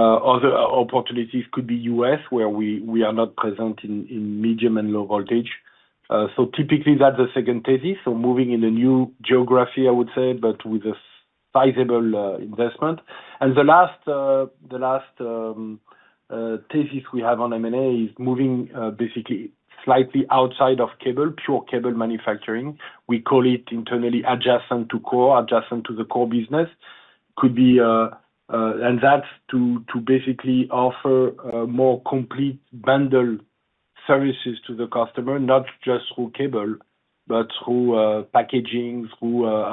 Other opportunities could be U.S., where we are not present in medium and low voltage. Typically, that's the second thesis, moving in a new geography, I would say, but with a sizable investment. The last thesis we have on M&A is moving basically slightly outside of pure cable manufacturing. We call it internally adjacent to core, adjacent to the core business. That's to basically offer more complete bundle services to the customer, not just through cable, but through packaging, through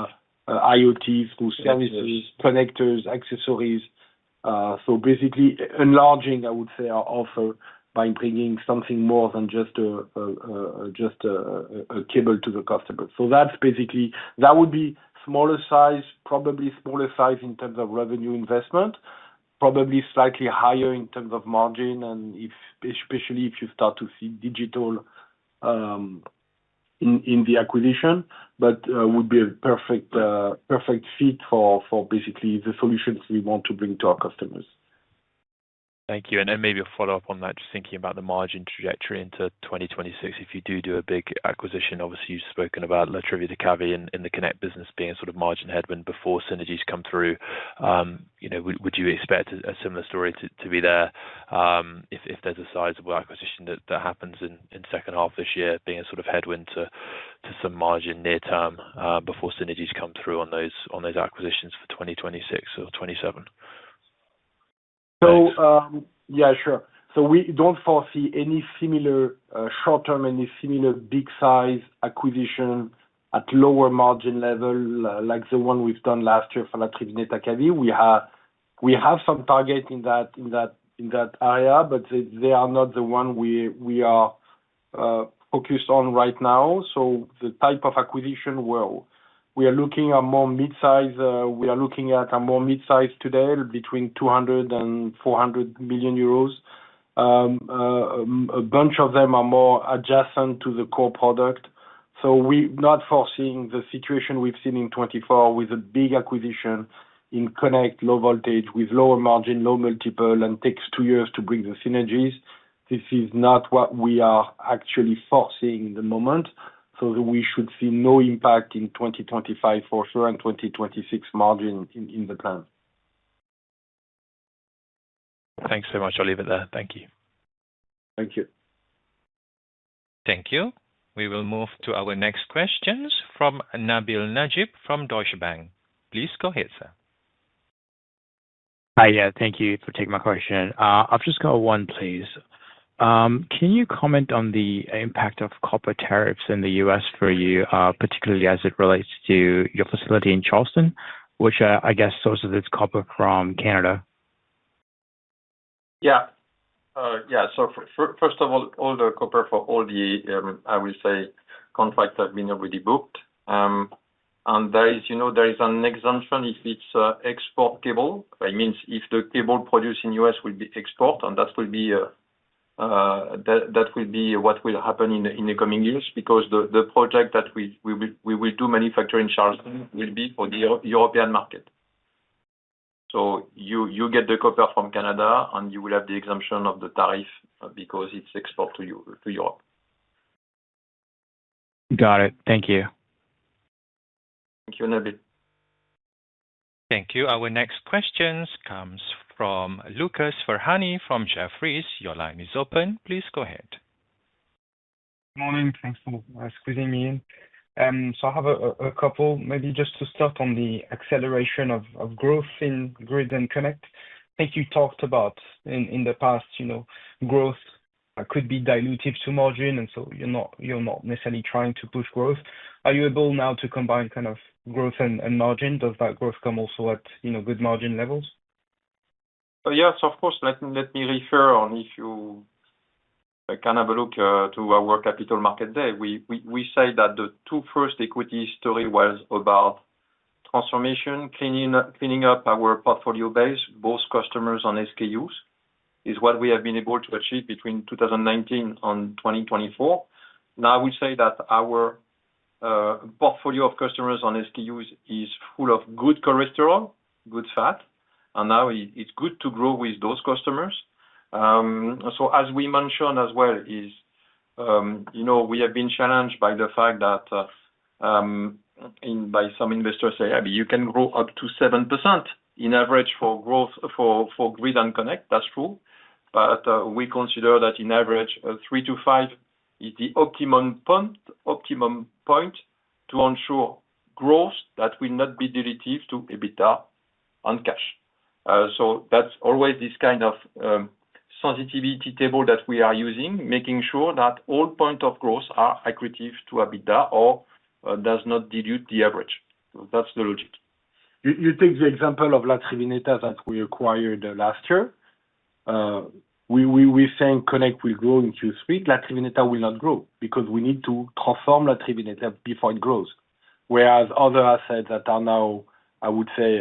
IoT, through services, connectors, accessories. Basically enlarging, I would say, our offer by bringing something more than just a cable to the customer. That would be smaller size, probably smaller size in terms of revenue investment, probably slightly higher in terms of margin, and especially if you start to see digital in the acquisition, but would be a perfect fit for basically the solutions we want to bring to our customers. Thank you. Maybe a follow-up on that, just thinking about the margin trajectory into 2026. If you do a big acquisition, obviously, you've spoken about Latrivenet Acavi in the Connect business being a sort of margin headwind before synergies come through. Would you expect a similar story to be there if there's a sizable acquisition that happens in the second half of this year, being a sort of headwind to some margin near term before synergies come through on those acquisitions for 2026 or 2027? We don't foresee any similar short term, any similar big-size acquisition at lower margin level like the one we've done last year for Latrivenet Acavi. We have some targets in that area, but they are not the one we are focused on right now. The type of acquisition, we are looking at more mid-size. We are looking at a more mid-size today, between 200 million euros and 400 million euros. A bunch of them are more adjacent to the core product. We're not foreseeing the situation we've seen in 2024 with a big acquisition in Connect, low voltage, with lower margin, low multiple, and takes two years to bring the synergies. This is not what we are actually foreseeing at the moment. We should see no impact in 2025 for sure and 2026 margin in the plan. Thanks so much. I'll leave it there. Thank you. Thank you. Thank you. We will move to our next questions from Nabil Najeeb from Deutsche Bank. Please go ahead, sir. Hi. Thank you for taking my question. I've just got one, please. Can you comment on the impact of copper tariffs in the U.S. for you, particularly as it relates to your facility in Charleston, which I guess sources its copper from Canada? Yeah. First of all, all the copper for all the, I would say, contracts have been already booked. There is an exemption if it's export cable. It means if the cable produced in the U.S. will be export, that will be what will happen in the coming years because the project that we will do manufacture in Charleston will be for the European market. You get the copper from Canada, and you will have the exemption of the tariff because it's export to Europe. Got it. Thank you. Thank you, Nabil. Thank you. Our next question comes from Lucas Ferhani from Jefferies. Your line is open. Please go ahead. Morning. Thanks for squeezing me in. I have a couple, maybe just to start on the acceleration of growth in Grid and Connect. I think you talked about in the past, you know, growth could be dilutive to margin, and you're not necessarily trying to push growth. Are you able now to combine kind of growth and margin? Does that growth come also at good margin levels? Yes, of course. Let me refer on if you can have a look to our Capital Market Day. We say that the two first equity stories were about transformation, cleaning up our portfolio base, both customers and SKUs, is what we have been able to achieve between 2019 and 2024. Now, I would say that our portfolio of customers and SKUs is full of good cholesterol, good fat, and now it's good to grow with those customers. As we mentioned as well, you know, we have been challenged by the fact that some investors say, "Hey, you can grow up to 7% in average for growth for Grid and Connect." That's true. We consider that in average, 3%-5% is the optimum point to ensure growth that will not be dilutive to EBITDA and cash. That's always this kind of sensitivity table that we are using, making sure that all points of growth are accurate to EBITDA or do not dilute the average. That's the logic. You take the example of Latrivenet that we acquired last year. We think Connect will grow in Q3. Latrivenet will not grow because we need to transform Latrivenet before it grows. Whereas other assets that are now, I would say,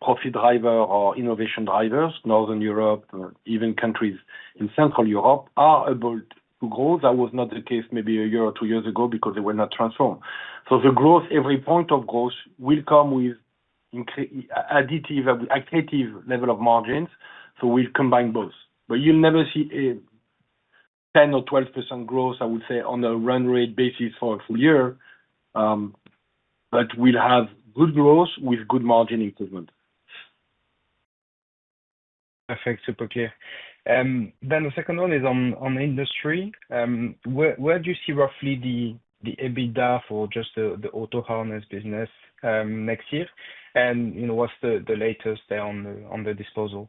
profit drivers or innovation drivers, Northern Europe, even countries in Central Europe, are able to grow. That was not the case maybe a year or two years ago because they were not transformed. The growth, every point of growth will come with an additive, active level of margins. We'll combine both. You'll never see 10% or 12% growth, I would say, on a run rate basis for a full year, but we'll have good growth with good margin improvement. Perfect. Super clear. The second one is on industry. Where do you see roughly the EBITDA for just the auto harness business next year? What's the latest there on the disposal?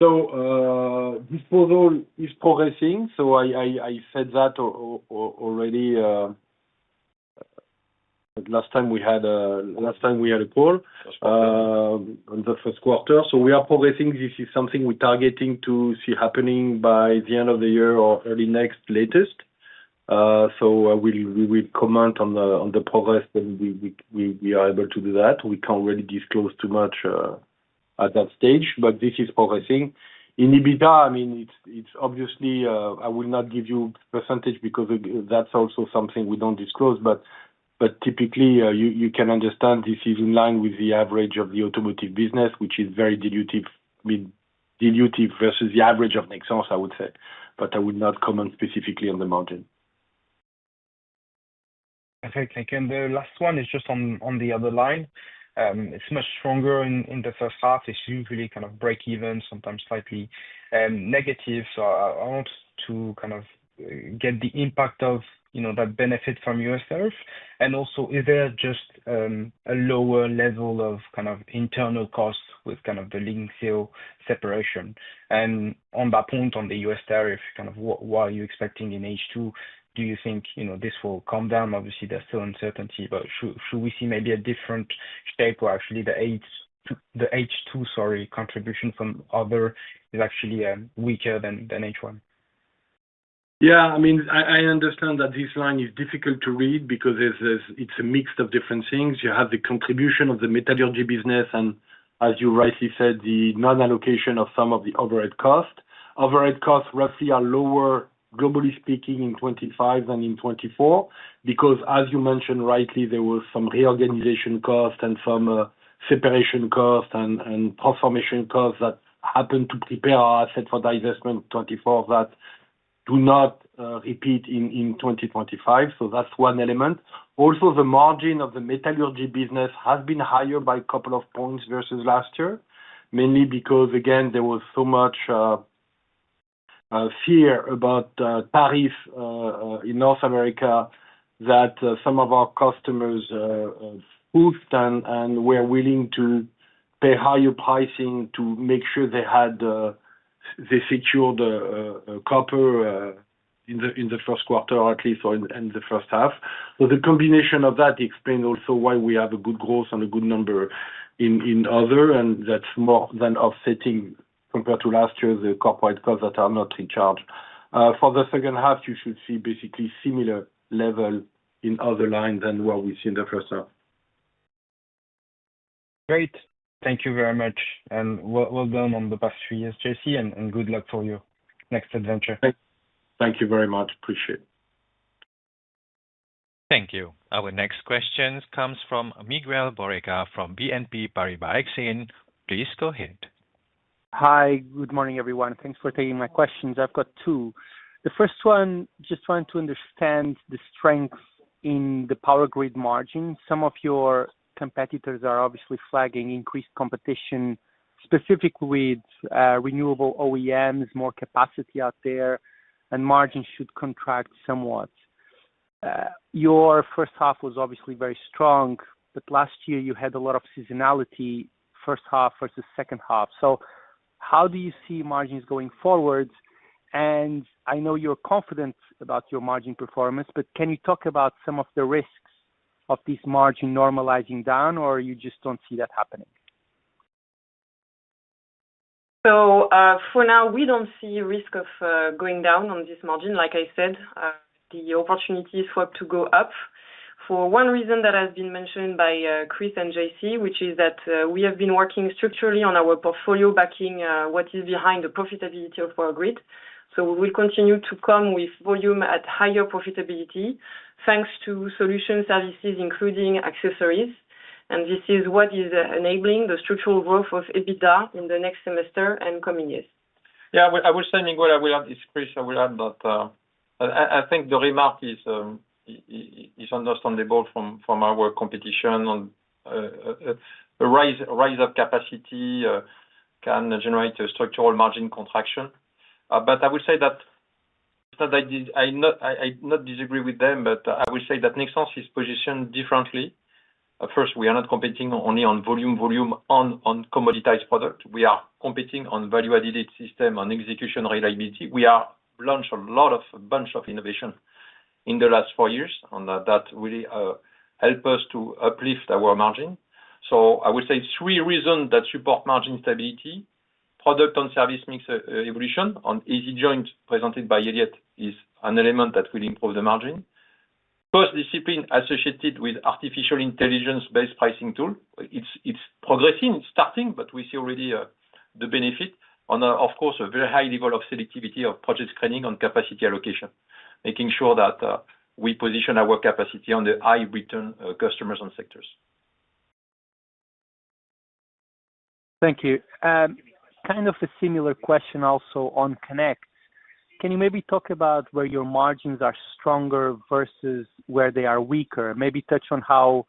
Disposal is progressing. I said that already last time we had a call on the first quarter. We are progressing. This is something we're targeting to see happening by the end of the year or early next at the latest. We will comment on the progress, and we are able to do that. We can't really disclose too much at that stage, but this is progressing. In EBITDA, I mean, it's obviously, I will not give you a percentage because that's also something we don't disclose. Typically, you can understand this is in line with the average of the automotive business, which is very dilutive versus the average of Nexans, I would say. I would not comment specifically on the margin. Perfect. Thank you. The last one is just on the other line. It's much stronger in the first half. It's usually kind of break even, sometimes slightly negative. I want to kind of get the impact of that benefit from U.S. tariff. Also, is there just a lower level of kind of internal costs with kind of the Lynxeo separation? On that point, on the U.S. tariff, what are you expecting in H2? Do you think this will come down? Obviously, there's still uncertainty, but should we see maybe a different shape where actually the H2, sorry, contribution from other is actually weaker than H1? Yeah. I mean, I understand that this line is difficult to read because it's a mix of different things. You have the contribution of the metallurgy business and, as you rightly said, the non-allocation of some of the overhead costs. Overhead costs roughly are lower, globally speaking, in 2025 than in 2024 because, as you mentioned rightly, there were some reorganization costs and some separation costs and transformation costs that happened to prepare our asset for divestment in 2024 that do not repeat in 2025. That's one element. Also, the margin of the metallurgy business has been higher by a couple of points versus last year, mainly because, again, there was so much fear about tariff in North America that some of our customers poofed and were willing to pay higher pricing to make sure they had secured copper in the first quarter or at least in the first half. The combination of that explains also why we have a good growth and a good number in other, and that's more than offsetting compared to last year, the corporate costs that are not in charge. For the second half, you should see basically similar level in other lines than what we see in the first half. Great. Thank you very much. Well done on the past few years, JC, and good luck for your next adventure. Thank you very much. Appreciate it. Thank you. Our next question comes from Miguel Borrega from BNP Paribas Exane. Please go ahead. Hi. Good morning, everyone. Thanks for taking my questions. I've got two. The first one, just wanted to understand the strength in the Power Grid margin. Some of your competitors are obviously flagging increased competition, specifically with renewable OEMs, more capacity out there, and margins should contract somewhat. Your first half was obviously very strong, but last year, you had a lot of seasonality, first half versus second half. How do you see margins going forward? I know you're confident about your margin performance, but can you talk about some of the risks of this margin normalizing down, or you just don't see that happening? For now, we don't see a risk of going down on this margin. Like I said, the opportunity is for it to go up for one reason that has been mentioned by Chris and JC, which is that we have been working structurally on our portfolio backing what is behind the profitability of our grid. We will continue to come with volume at higher profitability thanks to solution services, including accessories. This is what is enabling the structural growth of EBITDA in the next semester and coming years. Yeah. I will say, Miguel, I will add this, Chris, I will add that I think the remark is understandable from our competition. A rise of capacity can generate a structural margin contraction. I will say that it's not that I not disagree with them, but I will say that Nexans is positioned differently. First, we are not competing only on volume, volume, on commoditized product. We are competing on value-added system, on execution reliability. We have launched a bunch of innovations in the last four years, and that really helps us to uplift our margin. I will say three reasons that support margin stability: product and service mix evolution on EasyJoint presented by Ely is an element that will improve the margin, post-discipline associated with artificial intelligence-based pricing tool. It's progressing. It's starting, but we see already the benefit on, of course, a very high level of selectivity of project screening on capacity allocation, making sure that we position our capacity on the high return customers and sectors. Thank you. Kind of a similar question also on Connect. Can you maybe talk about where your margins are stronger versus where they are weaker? Maybe touch on how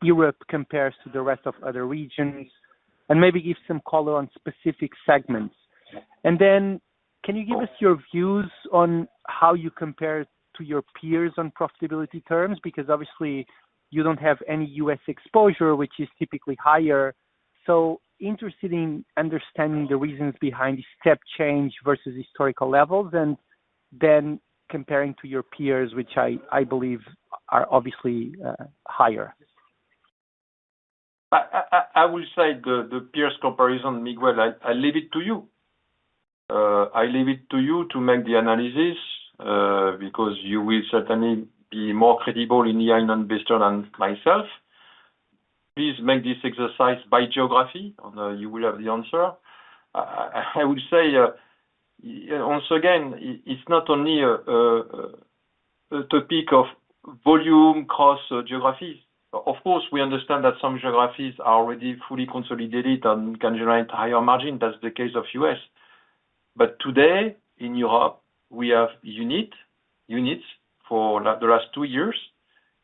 Europe compares to the rest of other regions and maybe give some color on specific segments. Can you give us your views on how you compare to your peers on profitability terms? Obviously, you don't have any U.S. exposure, which is typically higher. Interested in understanding the reasons behind the step change versus historical levels and then comparing to your peers, which I believe are obviously higher. I will say the peers comparison, Miguel, I leave it to you. I leave it to you to make the analysis because you will certainly be more credible in the eye of an investor than myself. Please make this exercise by geography and you will have the answer. I will say, once again, it's not only a topic of volume across geographies. Of course, we understand that some geographies are already fully consolidated and can generate higher margin. That's the case of U.S. Today, in Europe, we have units for the last two years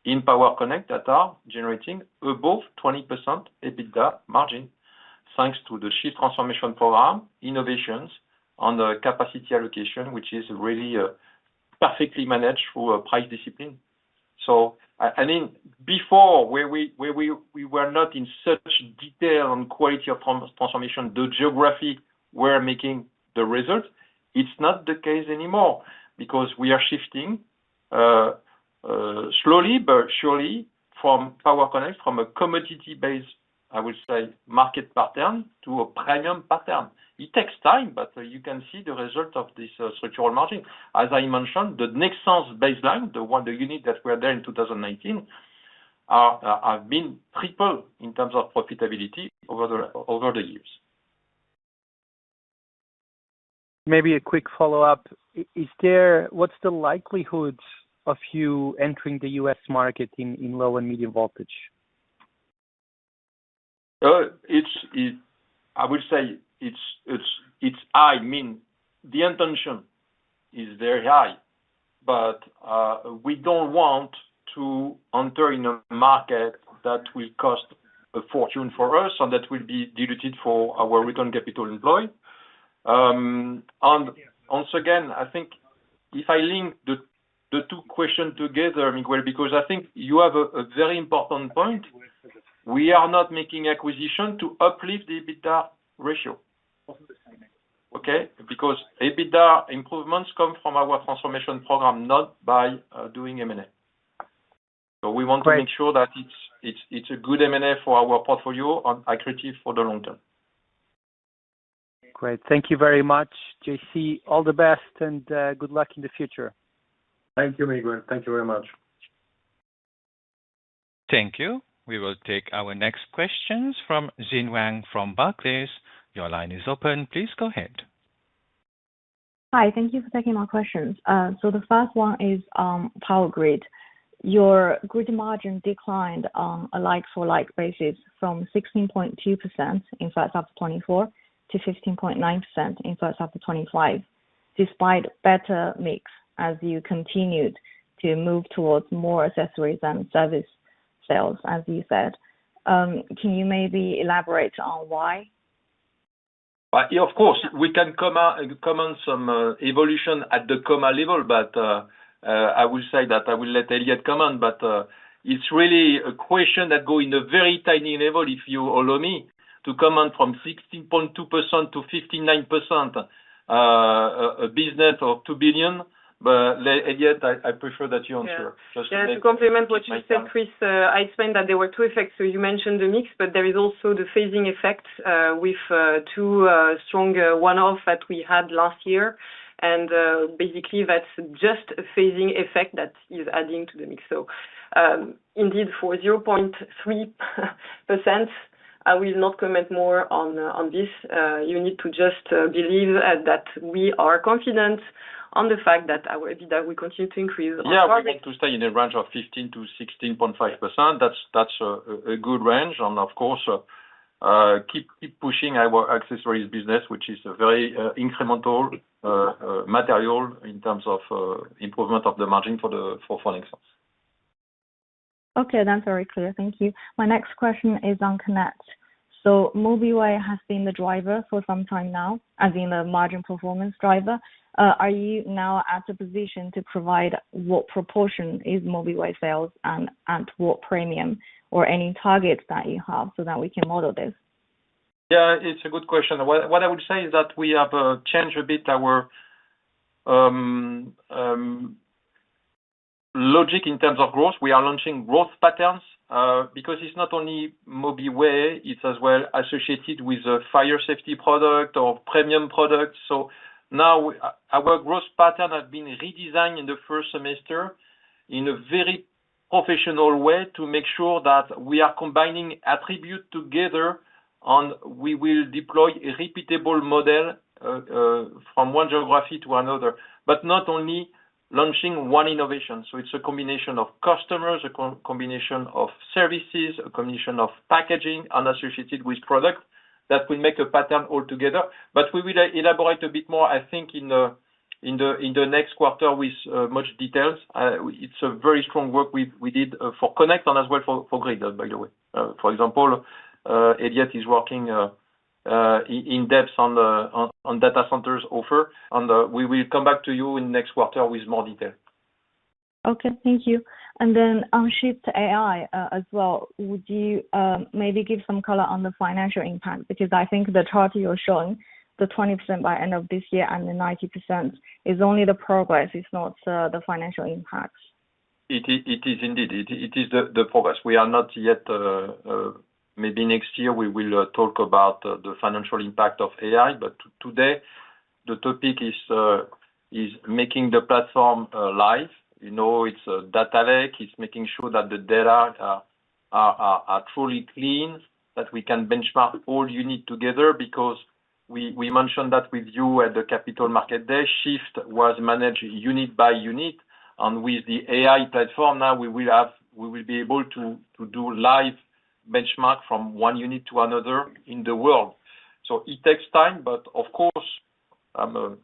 in Power Connect that are generating above 20% EBITDA margin thanks to the Shift transformation program, innovations on the capacity allocation, which is really perfectly managed through a price discipline. Before, where we were not in such detail on quality of transformation, the geography were making the result. It's not the case anymore because we are shifting slowly but surely from Power Connect, from a commodity-based, I would say, market pattern to a premium pattern. It takes time, but you can see the result of this structural margin. As I mentioned, the Nexans baseline, the unit that we are there in 2019, have been tripled in terms of profitability over the years. Maybe a quick follow-up. What's the likelihood of you entering the U.S. market in low and medium voltage? I would say it's high. I mean, the intention is very high, but we don't want to enter in a market that will cost a fortune for us and that will be diluted for our return on capital employed. Once again, I think if I link the two questions together, Miguel, because I think you have a very important point. We are not making acquisitions to uplift the adjusted EBITDA ratio. Okay? Because adjusted EBITDA improvements come from our transformation program, not by doing M&A. We want to make sure that it's a good M&A for our portfolio and accurate for the long term. Great. Thank you very much, JC. All the best and good luck in the future. Thank you, Miguel. Thank you very much. Thank you. We will take our next questions from Xin Wang from Barclays. Your line is open. Please go ahead. Hi. Thank you for taking my questions. The first one is Power Grid. Your grid margin declined on a like-for-like basis from 16.2% in the first half of 2024 to 15.9% in the first half of 2025, despite a better mix as you continued to move towards more accessories and service sales, as you said. Can you maybe elaborate on why? Of course. We can comment some evolution at the comma level, but I will say that I will let Élodie comment. It's really a question that goes in a very tiny level, if you allow me, to comment from 16.2%-59%, a business of 2 billion. Yet, I prefer that you answer. Yeah, to complement what you said, Chris, I explained that there were two effects. You mentioned the mix, but there is also the phasing effect with two strong one-offs that we had last year. Basically, that's just a phasing effect that is adding to the mix. Indeed, for 0.3%, I will not comment more on this. You need to just believe that we are confident on the fact that our EBITDA will continue to increase. Yeah, we're going to stay in a range of 15%-16.5%. That's a good range. Of course, keep pushing our accessories business, which is a very incremental material in terms of improvement of the margin for the falling stocks. Okay, that's very clear. Thank you. My next question is on Connect. Mobiy has been the driver for some time now, as in the margin performance driver. Are you now at the position to provide what proportion is Mobiy sales and at what premium or any targets that you have so that we can model this? Yeah, it's a good question. What I would say is that we have changed a bit our logic in terms of growth. We are launching growth patterns because it's not only Mobiy, it's as well associated with a fire safety product or premium product. Now our growth pattern has been redesigned in the first semester in a very professional way to make sure that we are combining attributes together, and we will deploy a repeatable model from one geography to another, not only launching one innovation. It's a combination of customers, a combination of services, a combination of packaging, and associated with products that will make a pattern altogether. We will elaborate a bit more, I think, in the next quarter with much details. It's a very strong work we did for Connect and as well for Greydot, by the way. For example, Elyette is working in depth on data centers offer. We will come back to you in the next quarter with more detail. Okay, thank you. On Shift AI as well, would you maybe give some color on the financial impact? I think the chart you're showing, the 20% by end of this year and the 90% is only the progress. It's not the financial impacts. It is indeed. It is the progress. We are not yet... Maybe next year we will talk about the financial impact of AI, but today the topic is making the platform alive. You know, it's a data lake. It's making sure that the data are truly clean, that we can benchmark all units together because we mentioned that with you at the Capital Market Day, Shift was managed unit by unit. With the AI platform, now we will have, we will be able to do live benchmark from one unit to another in the world. It takes time, of course, I'm a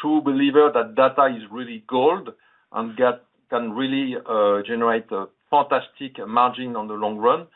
true believer that data is really gold and can really generate a fantastic margin in the long run.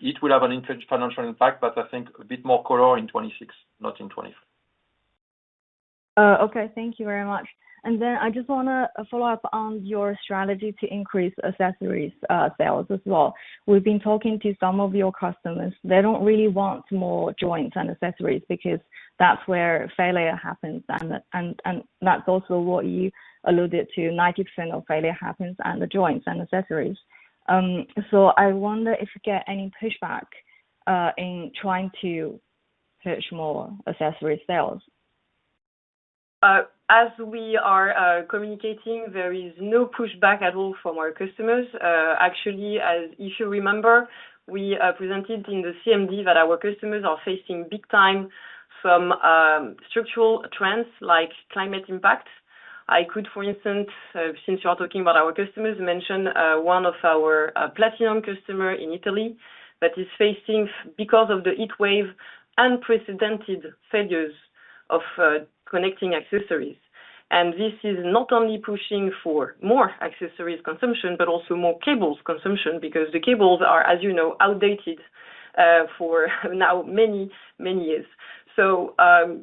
It will have an international impact, but I think a bit more color in 2026, not in 2024. Okay, thank you very much. I just want to follow up on your strategy to increase accessories sales as well. We've been talking to some of your customers. They don't really want more joints and accessories because that's where failure happens. That's also what you alluded to. 90% of failure happens at the joints and accessories. I wonder if you get any pushback in trying to push more accessory sales. As we are communicating, there is no pushback at all from our customers. Actually, as if you remember, we presented in the CMD that our customers are facing big time some structural trends like climate impact. I could, for instance, since you are talking about our customers, mention one of our platinum customers in Italy that is facing because of the heat wave, unprecedented failures of connecting accessories. This is not only pushing for more accessories consumption, but also more cables consumption because the cables are, as you know, outdated for now many, many years.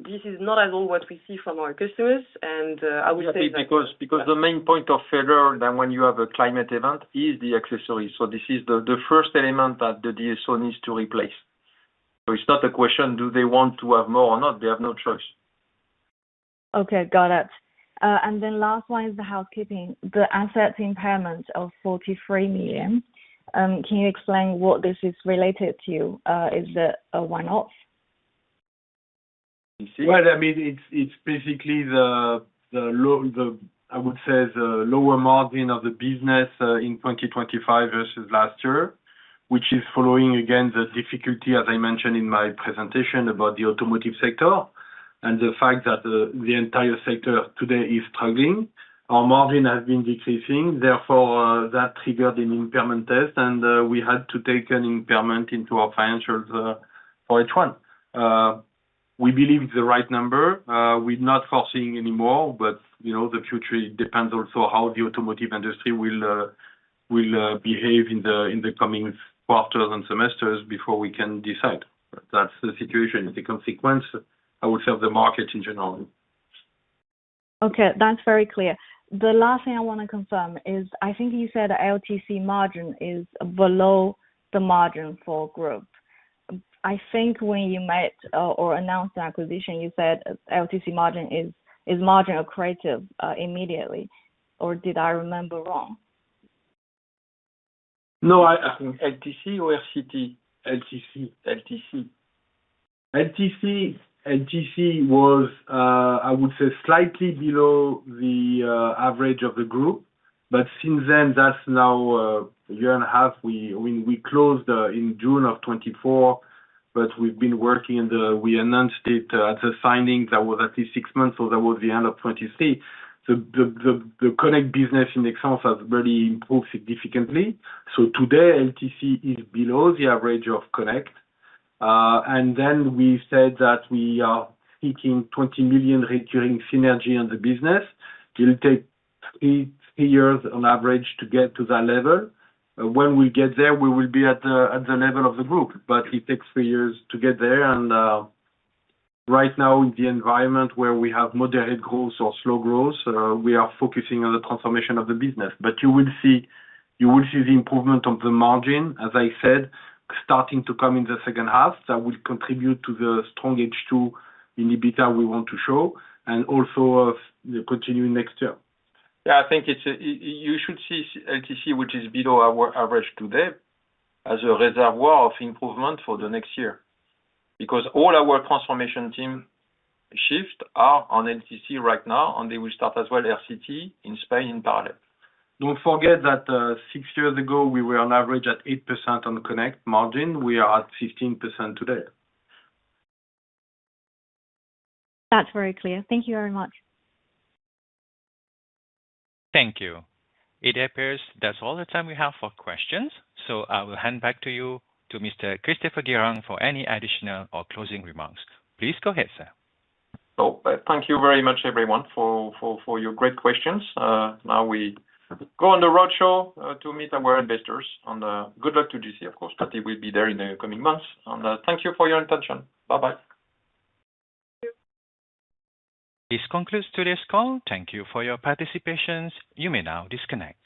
This is not at all what we see from our customers. I would say. The main point of failure when you have a climate event is the accessory. This is the first element that the DSO needs to replace. It's not a question of whether they want to have more or not. They have no choice. Okay, got it. Last one is the housekeeping. The asset impairment of 43 million. Can you explain what this is related to? Is it a one-off? It's basically the, I would say, the lower margin of the business in 2025 versus last year, which is following, again, the difficulty, as I mentioned in my presentation about the automotive sector and the fact that the entire sector today is struggling. Our margin has been decreasing. Therefore, that triggered an impairment test, and we had to take an impairment into our financials for each one. We believe it's the right number. We're not forcing anymore, but you know the future depends also how the automotive industry will behave in the coming quarters and semesters before we can decide. That's the situation. It's a consequence, I would say, of the market in general. Okay, that's very clear. The last thing I want to confirm is I think you said LTC margin is below the margin for group. I think when you met or announced the acquisition, you said LTC margin is margin accretive immediately. Or did I remember wrong? I think LTC was, I would say, slightly below the average of the group. Since then, that's now a year and a half. We closed in June of 2024, but we've been working and we announced it at the signing that was at least six months. That was the end of 2023. The Connect business in Nexans has really improved significantly. Today, LTC is below the average of Connect. We said that we are seeking 20 million during synergy in the business. It'll take three years on average to get to that level. When we get there, we will be at the level of the group. It takes three years to get there. Right now, in the environment where we have moderate growth or slow growth, we are focusing on the transformation of the business. You will see the improvement of the margin, as I said, starting to come in the second half that will contribute to the strong H2 in EBITDA we want to show and also continue next year. I think you should see LTC, which is below our average today, as a reservoir of improvement for the next year. All our transformation team shifts are on LTC right now and they will start as well RCT in Spain in parallel. Don't forget that six years ago, we were on average at 8% on the Connect margin. We are at 15% today. That's very clear. Thank you very much. Thank you. It appears that's all the time we have for questions. I will hand back to you to Mr. Christopher Guérin for any additional or closing remarks. Please go ahead, sir. Thank you very much, everyone, for your great questions. Now we go on the roadshow to meet our investors. Good luck to GC, of course, but it will be there in the coming months. Thank you for your attention. Bye-bye. This concludes today's call. Thank you for your participation. You may now disconnect.